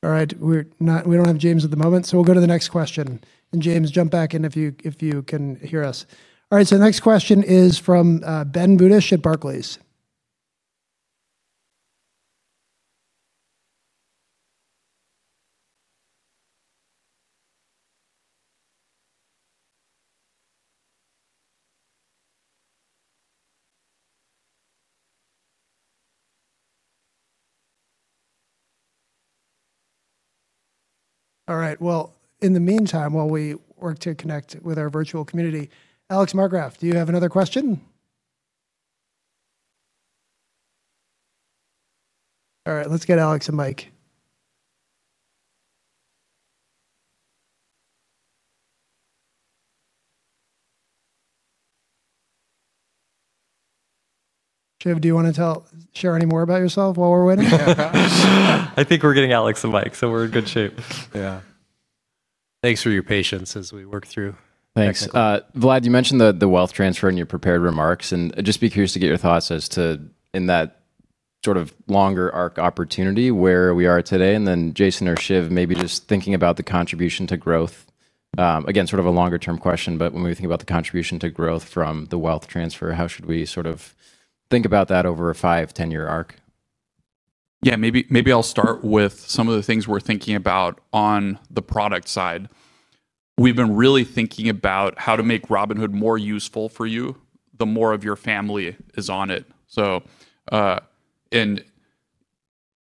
All right. We do not have James at the moment. We will go to the next question. James, jump back in if you can hear us. The next question is from Ben Budish at Barclays. In the meantime, while we work to connect with our virtual community, Alex Markgraff, do you have another question? All right. Let's get Alex a mic. Shiv, do you want to share any more about yourself while we're waiting? I think we're getting Alex a mic, so we're in good shape. Yeah. Thanks for your patience as we work through. Thanks. Vlad, you mentioned the wealth transfer in your prepared remarks. Just be curious to get your thoughts as to in that sort of longer arc opportunity where we are today. Jason or Shiv, maybe just thinking about the contribution to growth. Again, sort of a longer-term question, but when we think about the contribution to growth from the wealth transfer, how should we sort of think about that over a 5-10-year arc? Yeah, maybe I'll start with some of the things we're thinking about on the product side. We've been really thinking about how to make Robinhood more useful for you the more of your family is on it.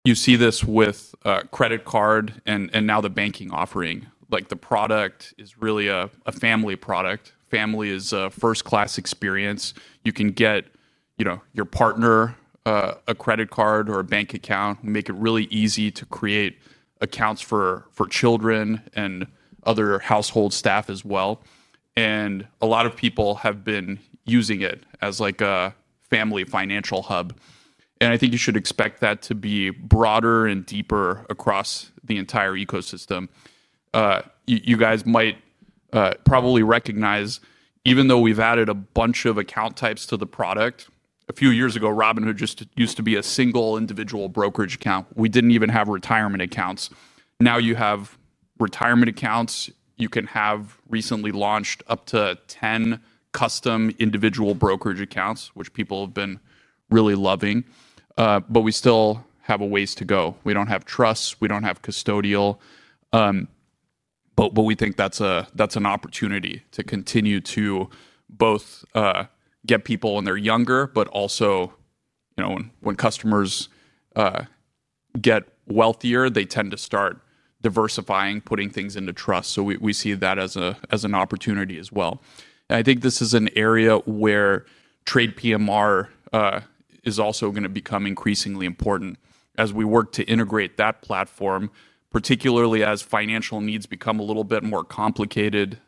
You see this with credit card and now the banking offering. The product is really a family product. Family is a first-class experience. You can get your partner a credit card or a bank account. We make it really easy to create accounts for children and other household staff as well. A lot of people have been using it as a family financial hub. I think you should expect that to be broader and deeper across the entire ecosystem. You guys might probably recognize, even though we've added a bunch of account types to the product, a few years ago, Robinhood just used to be a single individual brokerage account. We did not even have retirement accounts. Now you have retirement accounts. You can have recently launched up to 10 custom individual brokerage accounts, which people have been really loving. We still have a ways to go. We do not have trusts. We do not have custodial. We think that is an opportunity to continue to both get people when they are younger, but also when customers get wealthier, they tend to start diversifying, putting things into trusts. We see that as an opportunity as well. I think this is an area where TradePMR is also going to become increasingly important as we work to integrate that platform, particularly as financial needs become a little bit more complicated.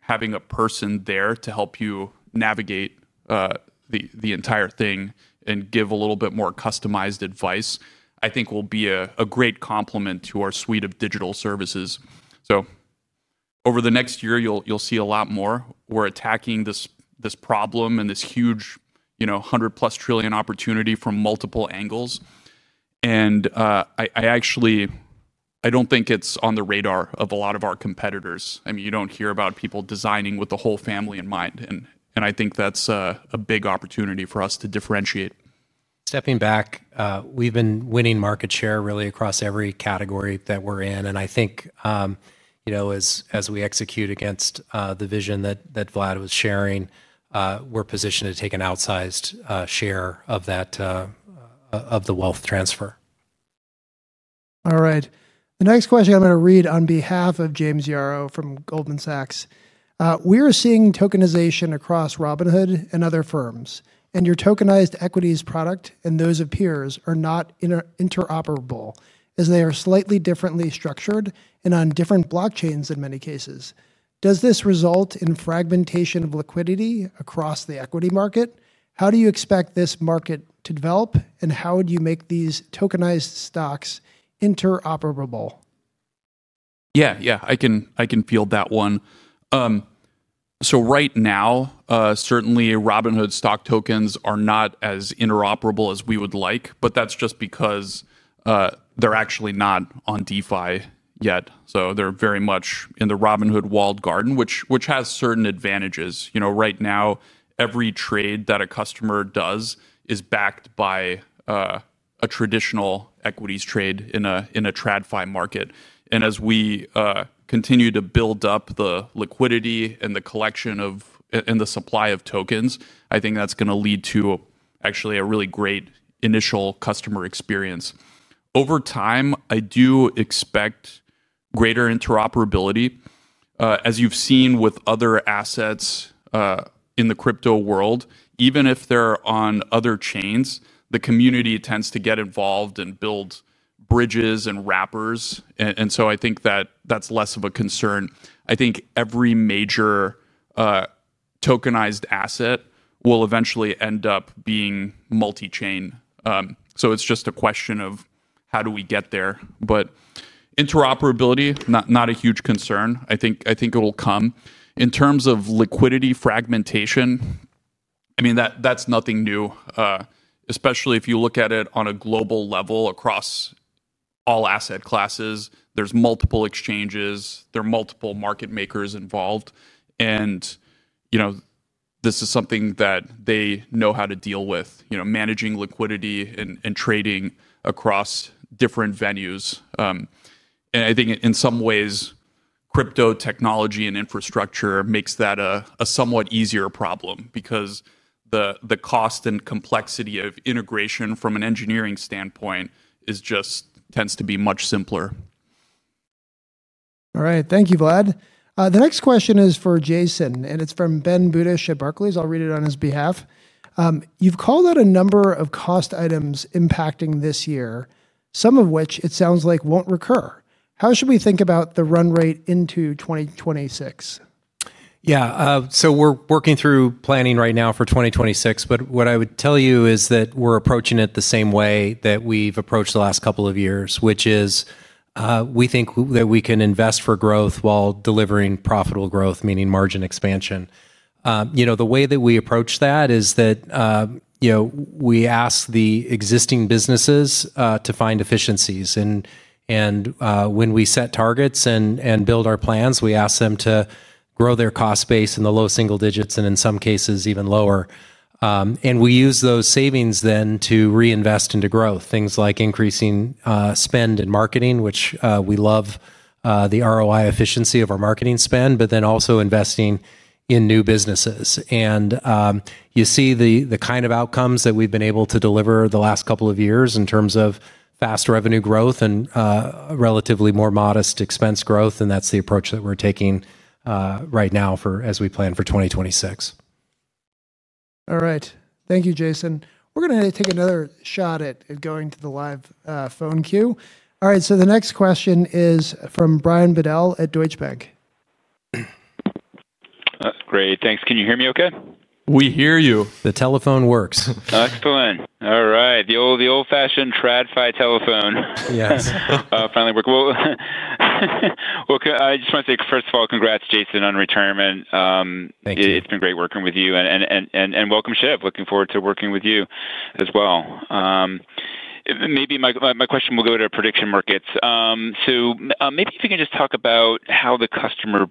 Having a person there to help you navigate the entire thing and give a little bit more customized advice, I think, will be a great complement to our suite of digital services. Over the next year, you'll see a lot more. We're attacking this problem and this huge $100 trillion+ opportunity from multiple angles. I actually, I don't think it's on the radar of a lot of our competitors. I mean, you don't hear about people designing with the whole family in mind. I think that's a big opportunity for us to differentiate. Stepping back, we've been winning market share really across every category that we're in. I think as we execute against the vision that Vlad was sharing, we're positioned to take an outsized share of the wealth transfer. All right. The next question I'm going to read on behalf of James Yarrow from Goldman Sachs. We are seeing tokenization across Robinhood and other firms. Your tokenized equities product and those of peers are not interoperable as they are slightly differently structured and on different blockchains in many cases. Does this result in fragmentation of liquidity across the equity market? How do you expect this market to develop? How would you make these tokenized stocks interoperable? Yeah, yeah, I can field that one. So right now, certainly, Robinhood stock tokens are not as interoperable as we would like, but that's just because they're actually not on DeFi yet. So they're very much in the Robinhood walled garden, which has certain advantages. Right now, every trade that a customer does is backed by a traditional equities trade in a TradFi market. And as we continue to build up the liquidity and the collection of the supply of tokens, I think that's going to lead to actually a really great initial customer experience. Over time, I do expect greater interoperability. As you've seen with other assets in the crypto world, even if they're on other chains, the community tends to get involved and build bridges and wrappers. And so I think that that's less of a concern. I think every major. Tokenized asset will eventually end up being multi-chain. It is just a question of how do we get there. Interoperability, not a huge concern. I think it will come. In terms of liquidity fragmentation, I mean, that is nothing new. Especially if you look at it on a global level across all asset classes. There are multiple exchanges. There are multiple market makers involved. This is something that they know how to deal with, managing liquidity and trading across different venues. I think in some ways, crypto technology and infrastructure makes that a somewhat easier problem because the cost and complexity of integration from an engineering standpoint just tends to be much simpler. All right. Thank you, Vlad. The next question is for Jason. It is from Ben Budish at Barclays. I'll read it on his behalf. You've called out a number of cost items impacting this year, some of which it sounds like won't recur. How should we think about the run rate into 2026? Yeah. We're working through planning right now for 2026. What I would tell you is that we're approaching it the same way that we've approached the last couple of years, which is we think that we can invest for growth while delivering profitable growth, meaning margin expansion. The way that we approach that is that we ask the existing businesses to find efficiencies. When we set targets and build our plans, we ask them to grow their cost base in the low single digits and in some cases even lower. We use those savings then to reinvest into growth, things like increasing spend in marketing, which we love the ROI efficiency of our marketing spend, but then also investing in new businesses. You see the kind of outcomes that we've been able to deliver the last couple of years in terms of fast revenue growth and relatively more modest expense growth. That's the approach that we're taking right now as we plan for 2026. All right. Thank you, Jason. We're going to take another shot at going to the live phone queue. All right. The next question is from Brian Bedell at Deutsche Bank. Great. Thanks. Can you hear me okay? We hear you. The telephone works. Excellent. All right. The old-fashioned TradFi telephone. Yes. Finally working. I just want to say, first of all, congrats, Jason, on retirement. Thank you. It's been great working with you. Welcome, Shiv. Looking forward to working with you as well. Maybe my question will go to Prediction Markets. Maybe if you can just talk about how the customer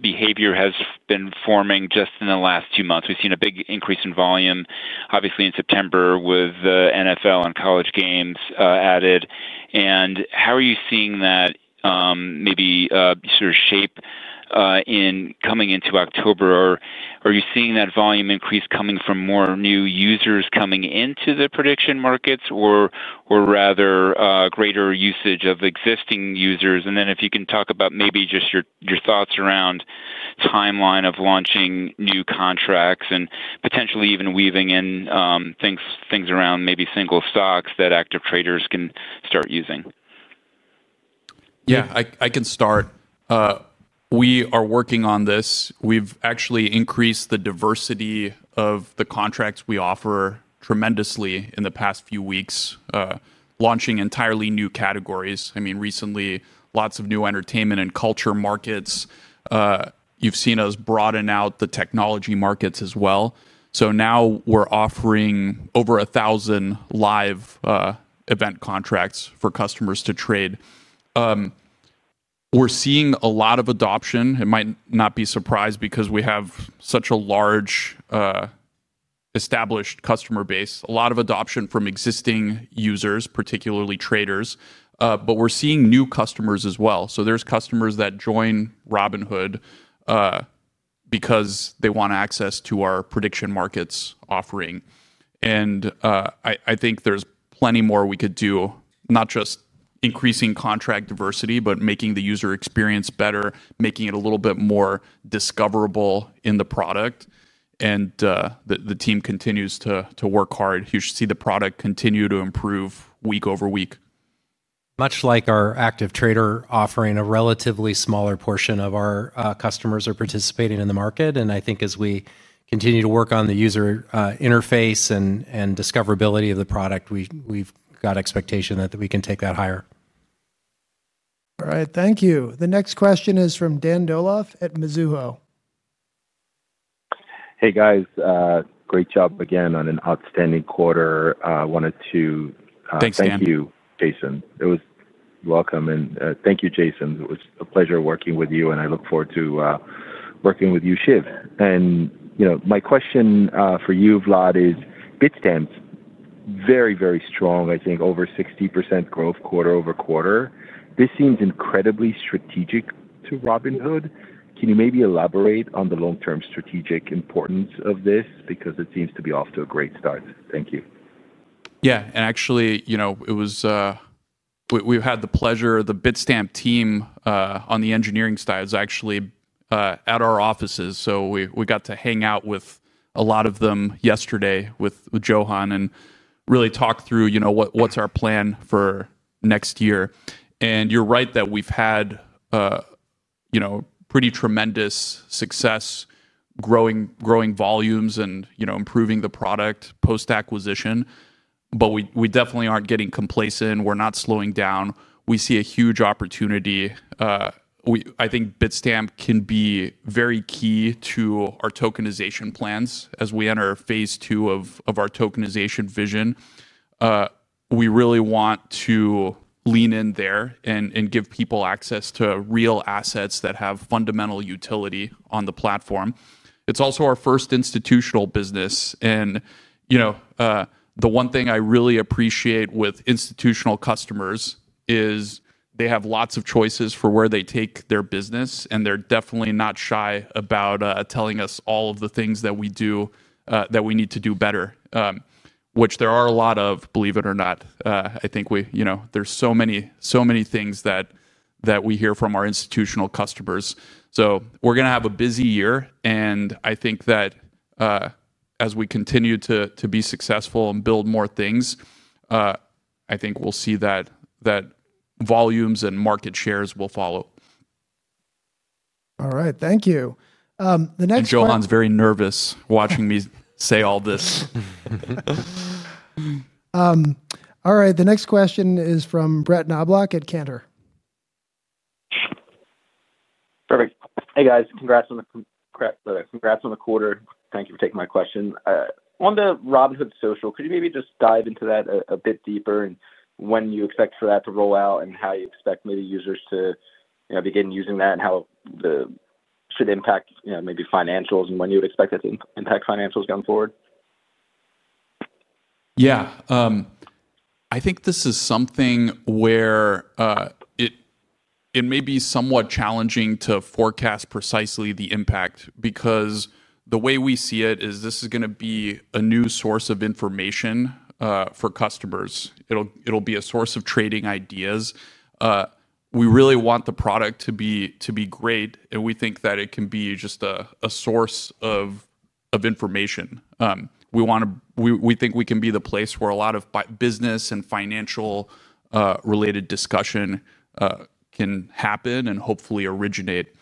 behavior has been forming just in the last two months. We've seen a big increase in volume, obviously in September with the NFL and college games added. How are you seeing that? Maybe sort of shape coming into October? Are you seeing that volume increase coming from more new users coming into the Prediction Markets, or rather greater usage of existing users? If you can talk about maybe just your thoughts around timeline of launching new contracts and potentially even weaving in things around maybe single stocks that active traders can start using. Yeah, I can start. We are working on this. We've actually increased the diversity of the contracts we offer tremendously in the past few weeks, launching entirely new categories. I mean, recently, lots of new entertainment and culture markets. You've seen us broaden out the technology markets as well. Now we're offering over 1,000 live event contracts for customers to trade. We're seeing a lot of adoption. It might not be a surprise because we have such a large, established customer base, a lot of adoption from existing users, particularly traders. We're seeing new customers as well. There are customers that join Robinhood because they want access to our Prediction Markets offering. I think there's plenty more we could do, not just increasing contract diversity, but making the user experience better, making it a little bit more discoverable in the product. The team continues to work hard. You should see the product continue to improve week over week. Much like our active trader offering, a relatively smaller portion of our customers are participating in the market. I think as we continue to work on the user interface and discoverability of the product, we've got expectation that we can take that higher. All right. Thank you. The next question is from Dan Dolev at Mizuho. Hey, guys. Great job again on an outstanding quarter. I wanted to. Thanks, Dan. Thank you, Jason. It was welcome. Thank you, Jason. It was a pleasure working with you. I look forward to working with you, Shiv. My question for you, Vlad, is Bitstamp's very, very strong, I think, over 60% growth quarter-over-quarter. This seems incredibly strategic to Robinhood. Can you maybe elaborate on the long-term strategic importance of this? It seems to be off to a great start. Thank you. Yeah. Actually, it was. We've had the pleasure, the Bitstamp team on the engineering side is actually at our offices. We got to hang out with a lot of them yesterday with Johan and really talk through what's our plan for next year. You're right that we've had pretty tremendous success growing volumes and improving the product post-acquisition. We definitely aren't getting complacent. We're not slowing down. We see a huge opportunity. I think Bitstamp can be very key to our tokenization plans as we enter phase two of our tokenization vision. We really want to lean in there and give people access to real assets that have fundamental utility on the platform. It's also our first institutional business. The one thing I really appreciate with institutional customers is they have lots of choices for where they take their business. They're definitely not shy about telling us all of the things that we do, that we need to do better, which there are a lot of, believe it or not. I think there's so many things that we hear from our institutional customers. We're going to have a busy year. I think that as we continue to be successful and build more things, I think we'll see that volumes and market shares will follow. All right. Thank you. The next question. Johan's very nervous watching me say all this. All right. The next question is from Brett Knoblauch at Cantor. Perfect. Hey, guys. Congrats on the quarter. Thank you for taking my question. On the Robinhood Social, could you maybe just dive into that a bit deeper and when you expect for that to roll out and how you expect maybe users to begin using that and how it should impact maybe financials and when you would expect it to impact financials going forward? Yeah. I think this is something where it may be somewhat challenging to forecast precisely the impact because the way we see it is this is going to be a new source of information for customers. It'll be a source of trading ideas. We really want the product to be great. We think that it can be just a source of information. We think we can be the place where a lot of business and financial related discussion can happen and hopefully originate.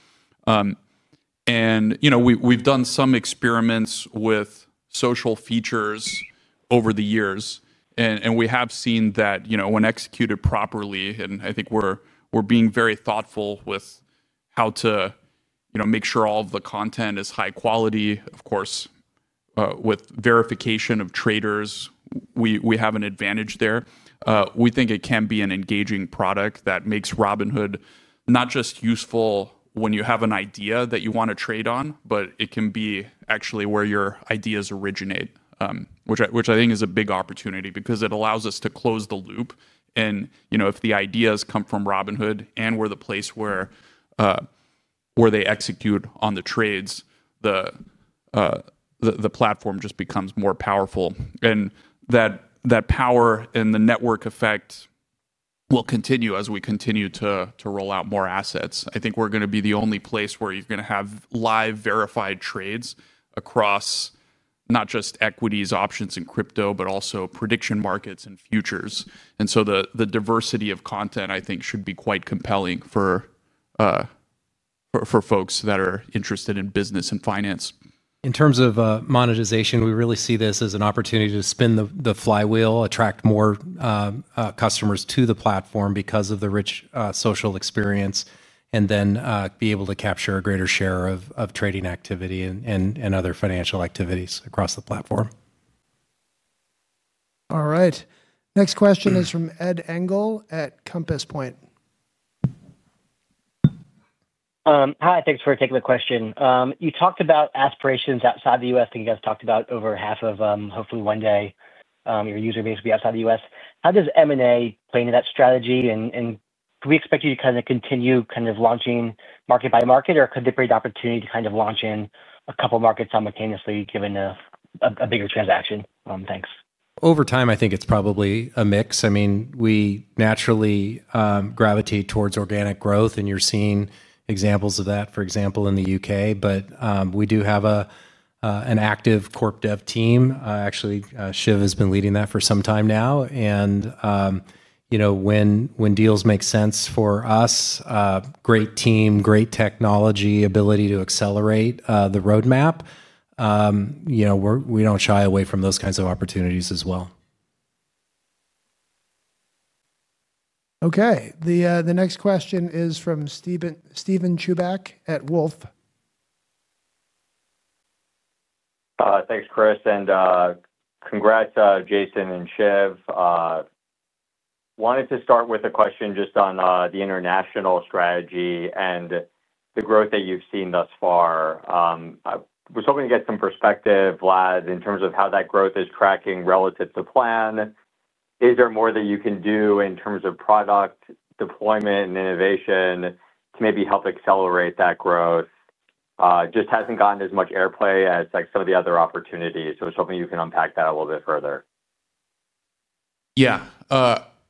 We've done some experiments with social features over the years. We have seen that when executed properly, and I think we're being very thoughtful with how to make sure all of the content is high quality. Of course, with verification of traders, we have an advantage there. We think it can be an engaging product that makes Robinhood not just useful when you have an idea that you want to trade on, but it can be actually where your ideas originate, which I think is a big opportunity because it allows us to close the loop. If the ideas come from Robinhood and we're the place where they execute on the trades, the platform just becomes more powerful. That power and the network effect will continue as we continue to roll out more assets. I think we're going to be the only place where you're going to have live verified trades across not just equities, options, and crypto, but also Prediction Markets and futures. The diversity of content, I think, should be quite compelling for folks that are interested in business and finance. In terms of monetization, we really see this as an opportunity to spin the flywheel, attract more customers to the platform because of the rich social experience, and then be able to capture a greater share of trading activity and other financial activities across the platform. All right. Next question is from Ed Engel at Compass Point. Hi. Thanks for taking the question. You talked about aspirations outside the U.S. I think you guys talked about over half of them, hopefully one day, your user base will be outside the U.S. How does M&A play into that strategy? Do we expect you to kind of continue kind of launching market by market, or could that create the opportunity to kind of launch in a couple of markets simultaneously given a bigger transaction? Thanks. Over time, I think it's probably a mix. I mean, we naturally gravitate towards organic growth, and you're seeing examples of that, for example, in the U.K. We do have an active Corp Dev team. Actually, Shiv has been leading that for some time now. When deals make sense for us—great team, great technology, ability to accelerate the roadmap—we don't shy away from those kinds of opportunities as well. Okay. The next question is from Steven Quirk at Wolfe. Thanks, Chris. Congrats, Jason and Shiv. Wanted to start with a question just on the international strategy and the growth that you've seen thus far. I was hoping to get some perspective, Vlad, in terms of how that growth is tracking relative to plan. Is there more that you can do in terms of product deployment and innovation to maybe help accelerate that growth? Just hasn't gotten as much airplay as some of the other opportunities. I was hoping you can unpack that a little bit further. Yeah.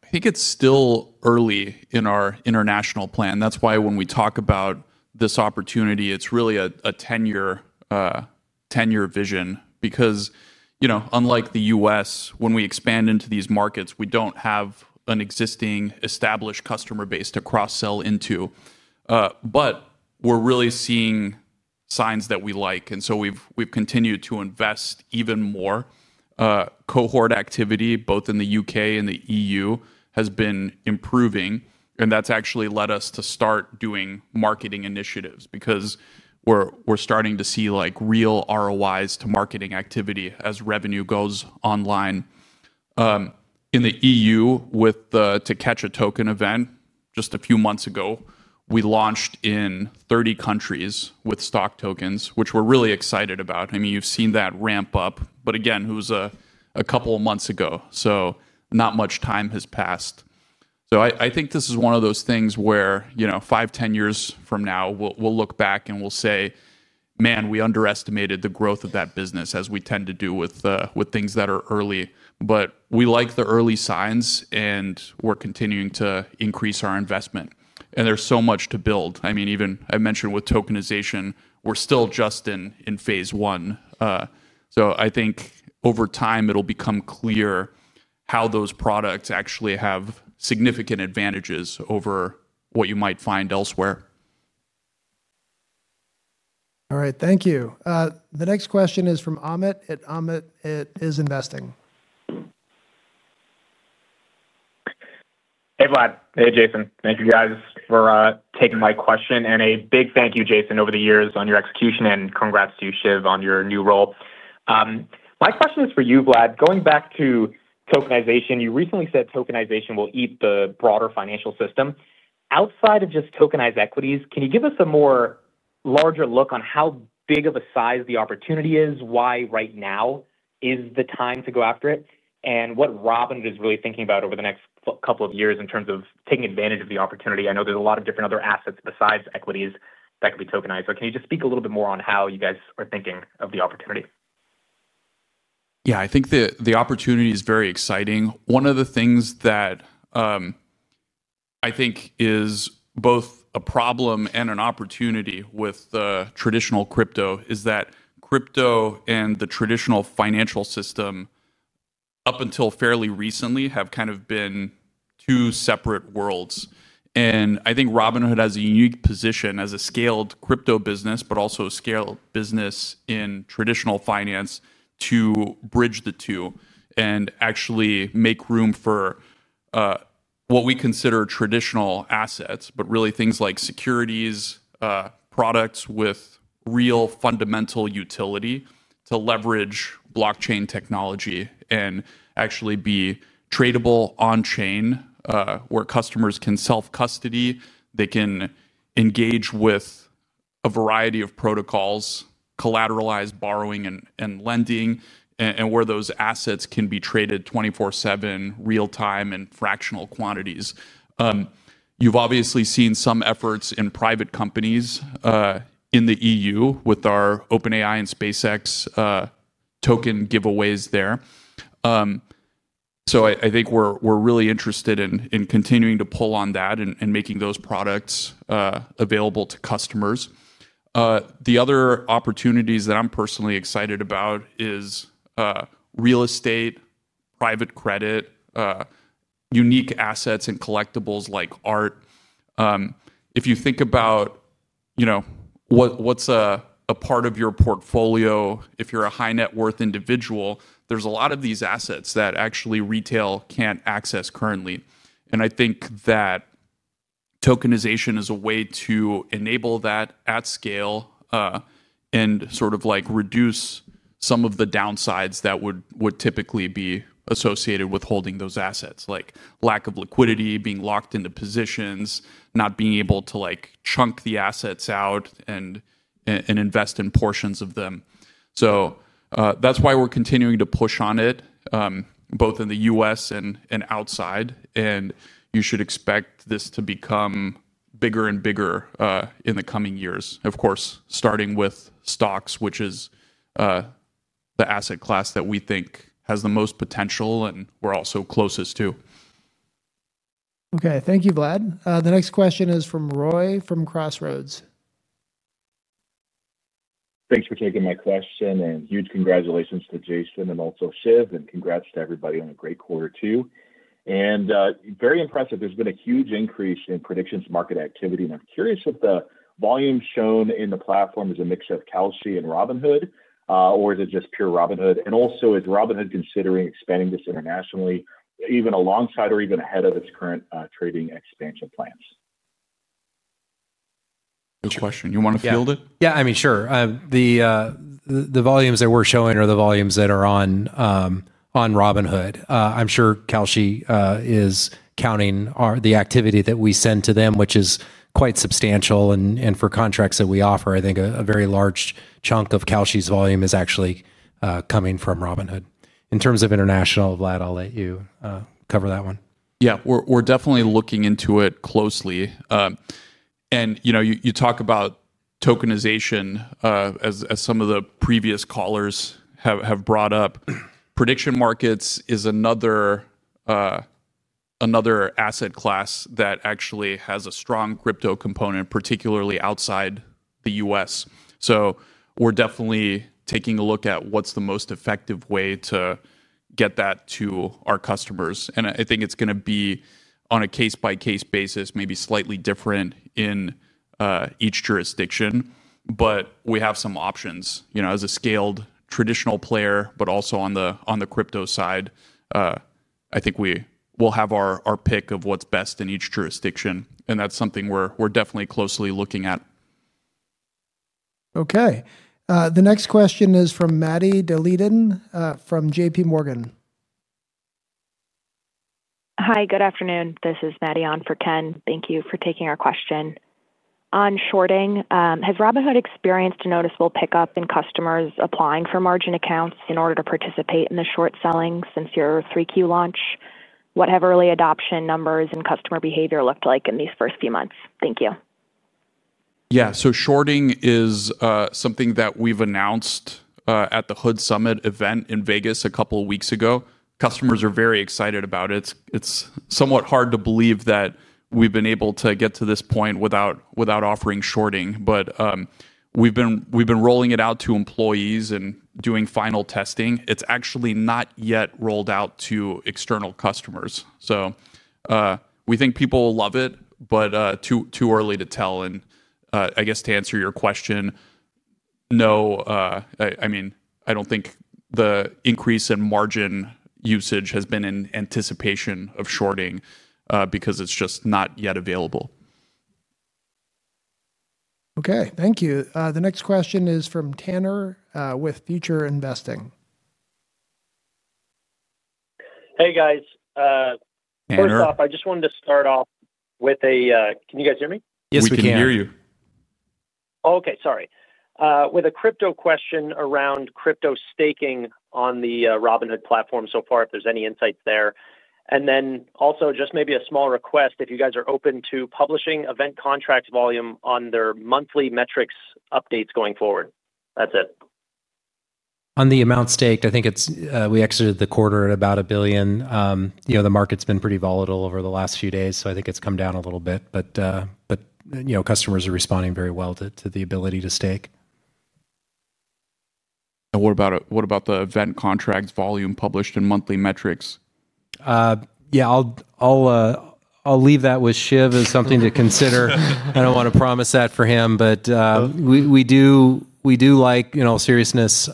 I think it's still early in our international plan. That's why when we talk about this opportunity, it's really a 10-year vision. Because unlike the U.S., when we expand into these markets, we don't have an existing established customer base to cross-sell into. But we're really seeing signs that we like. And so we've continued to invest even more. Cohort activity, both in the U.K. and the EU, has been improving. And that's actually led us to start doing marketing initiatives because we're starting to see real ROIs to marketing activity as revenue goes online. In the EU, with the To Catch a Token event, just a few months ago, we launched in 30 countries with stock tokens, which we're really excited about. I mean, you've seen that ramp up. But again, it was a couple of months ago. So not much time has passed. I think this is one of those things where five, 10 years from now, we'll look back and we'll say, "Man, we underestimated the growth of that business," as we tend to do with things that are early. We like the early signs, and we're continuing to increase our investment. There's so much to build. I mean, even I mentioned with tokenization, we're still just in phase I. I think over time, it'll become clear how those products actually have significant advantages over what you might find elsewhere. All right. Thank you. The next question is from Amit at Evercore ISI. Hey, Vlad. Hey, Jason. Thank you, guys, for taking my question. A big thank you, Jason, over the years on your execution. Congrats to you, Shiv, on your new role. My question is for you, Vlad. Going back to tokenization, you recently said tokenization will eat the broader financial system. Outside of just tokenized equities, can you give us a more larger look on how big of a size the opportunity is, why right now is the time to go after it, and what Robinhood is really thinking about over the next couple of years in terms of taking advantage of the opportunity? I know there's a lot of different other assets besides equities that could be tokenized. Can you just speak a little bit more on how you guys are thinking of the opportunity? Yeah. I think the opportunity is very exciting. One of the things that I think is both a problem and an opportunity with the traditional crypto is that crypto and the traditional financial system, up until fairly recently, have kind of been two separate worlds. I think Robinhood has a unique position as a scaled crypto business, but also a scaled business in traditional finance to bridge the two and actually make room for what we consider traditional assets, but really things like securities, products with real fundamental utility to leverage blockchain technology and actually be tradable on-chain where customers can Self-Custody. They can engage with a variety of protocols, collateralized borrowing and lending, and where those assets can be traded 24/7, real-time, and fractional quantities. You've obviously seen some efforts in private companies in the EU with our OpenAI and SpaceX token giveaways there. I think we're really interested in continuing to pull on that and making those products available to customers. The other opportunities that I'm personally excited about is real estate, private credit, unique assets, and collectibles like art. If you think about what's a part of your portfolio, if you're a high-net-worth individual, there's a lot of these assets that actually retail can't access currently. I think that tokenization is a way to enable that at scale and sort of reduce some of the downsides that would typically be associated with holding those assets, like lack of liquidity, being locked into positions, not being able to chunk the assets out and invest in portions of them. That's why we're continuing to push on it, both in the U.S. and outside. You should expect this to become bigger and bigger in the coming years, of course, starting with stocks, which is the asset class that we think has the most potential and we're also closest to. Okay. Thank you, Vlad. The next question is from Roy from Crossroads. Thanks for taking my question. Huge congratulations to Jason and also Shiv. Congrats to everybody on a great quarter too. Very impressive. There's been a huge increase in Prediction Markets activity. I'm curious if the volume shown in the platform is a mix of Kalshi and Robinhood, or is it just pure Robinhood? Also, is Robinhood considering expanding this internationally, even alongside or even ahead of its current trading expansion plans? Good question. You want to field it? Yeah. I mean, sure. The volumes that we're showing are the volumes that are on Robinhood. I'm sure Kalshi is counting the activity that we send to them, which is quite substantial. And for contracts that we offer, I think a very large chunk of Kalshi's volume is actually coming from Robinhood. In terms of international, Vlad, I'll let you cover that one. Yeah. We're definitely looking into it closely. You talk about tokenization as some of the previous callers have brought up. Prediction Markets is another asset class that actually has a strong crypto component, particularly outside the U.S. We're definitely taking a look at what's the most effective way to get that to our customers. I think it's going to be, on a case-by-case basis, maybe slightly different in each jurisdiction. We have some options. As a scaled traditional player, but also on the crypto side, I think we will have our pick of what's best in each jurisdiction. That's something we're definitely closely looking at. Okay. The next question is from Maddie Daleiden from JPMorgan. Hi. Good afternoon. This is Maddie on for Ken. Thank you for taking our question. On shorting, has Robinhood experienced a noticeable pickup in customers applying for margin accounts in order to participate in the short selling since your 3Q launch? What have early adoption numbers and customer behavior looked like in these first few months? Thank you. Yeah. Shorting is something that we've announced at the HOOD Summit event in Las Vegas a couple of weeks ago. Customers are very excited about it. It's somewhat hard to believe that we've been able to get to this point without offering shorting. We've been rolling it out to employees and doing final testing. It's actually not yet rolled out to external customers. We think people will love it, but too early to tell. I guess to answer your question, no. I mean, I don't think the increase in margin usage has been in anticipation of shorting because it's just not yet available. Okay. Thank you. The next question is from Tanner with Future Investing. Hey, guys. First off, I just wanted to start off with a can you guys hear me? Yes, we can. We can hear you. Oh, okay. Sorry. With a crypto question around crypto staking on the Robinhood platform so far, if there's any insights there. And then also just maybe a small request if you guys are open to publishing event contract volume on their monthly metrics updates going forward. That's it. On the amount staked, I think we exited the quarter at about $1 billion. The market's been pretty volatile over the last few days, so I think it's come down a little bit. Customers are responding very well to the ability to stake. What about the event contract volume published in monthly metrics? Yeah. I'll leave that with Shiv as something to consider. I don't want to promise that for him. We do like, in all seriousness,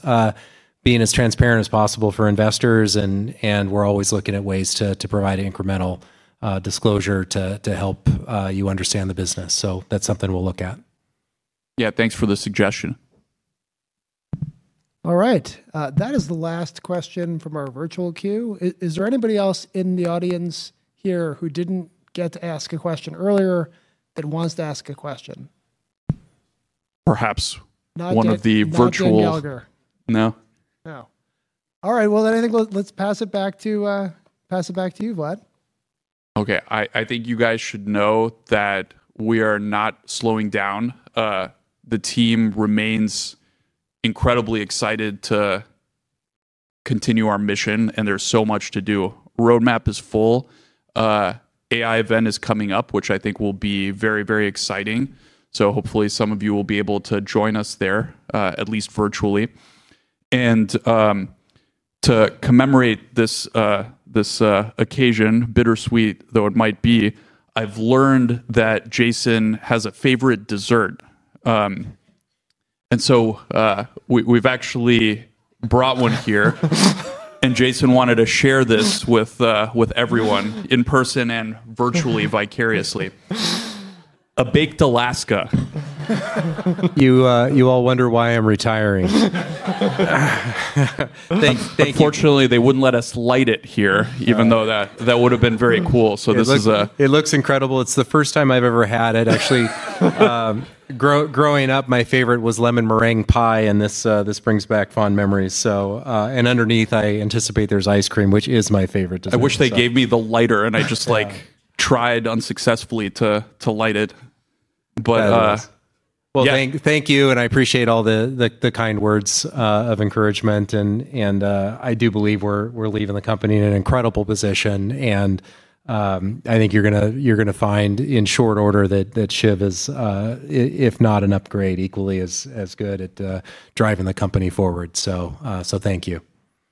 being as transparent as possible for investors. We're always looking at ways to provide incremental disclosure to help you understand the business. That's something we'll look at. Yeah. Thanks for the suggestion. All right. That is the last question from our virtual queue. Is there anybody else in the audience here who didn't get to ask a question earlier that wants to ask a question? Perhaps. Not yet. One of the virtuals. Not yet, JP Mellinger. No. No. All right. I think let's pass it back to you, Vlad. Okay. I think you guys should know that we are not slowing down. The team remains incredibly excited to continue our mission. And there's so much to do. Roadmap is full. AI event is coming up, which I think will be very, very exciting. Hopefully, some of you will be able to join us there, at least virtually. To commemorate this occasion, bittersweet though it might be, I've learned that Jason has a favorite dessert. We've actually brought one here. Jason wanted to share this with everyone in person and virtually vicariously. A baked Alaska. You all wonder why I'm retiring. Unfortunately, they wouldn't let us light it here, even though that would have been very cool. This is a. It looks incredible. It's the first time I've ever had it. Actually, growing up, my favorite was lemon meringue pie. This brings back fond memories. Underneath, I anticipate there's ice cream, which is my favorite dessert. I wish they gave me the lighter. I just tried unsuccessfully to light it. Thank you. I appreciate all the kind words of encouragement. I do believe we're leaving the company in an incredible position. I think you're going to find in short order that Shiv is, if not an upgrade, equally as good at driving the company forward. Thank you.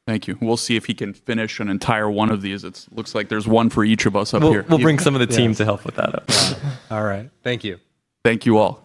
Thank you. We'll see if he can finish an entire one of these. It looks like there's one for each of us up here. We'll bring some of the team to help with that. All right. Thank you. Thank you all.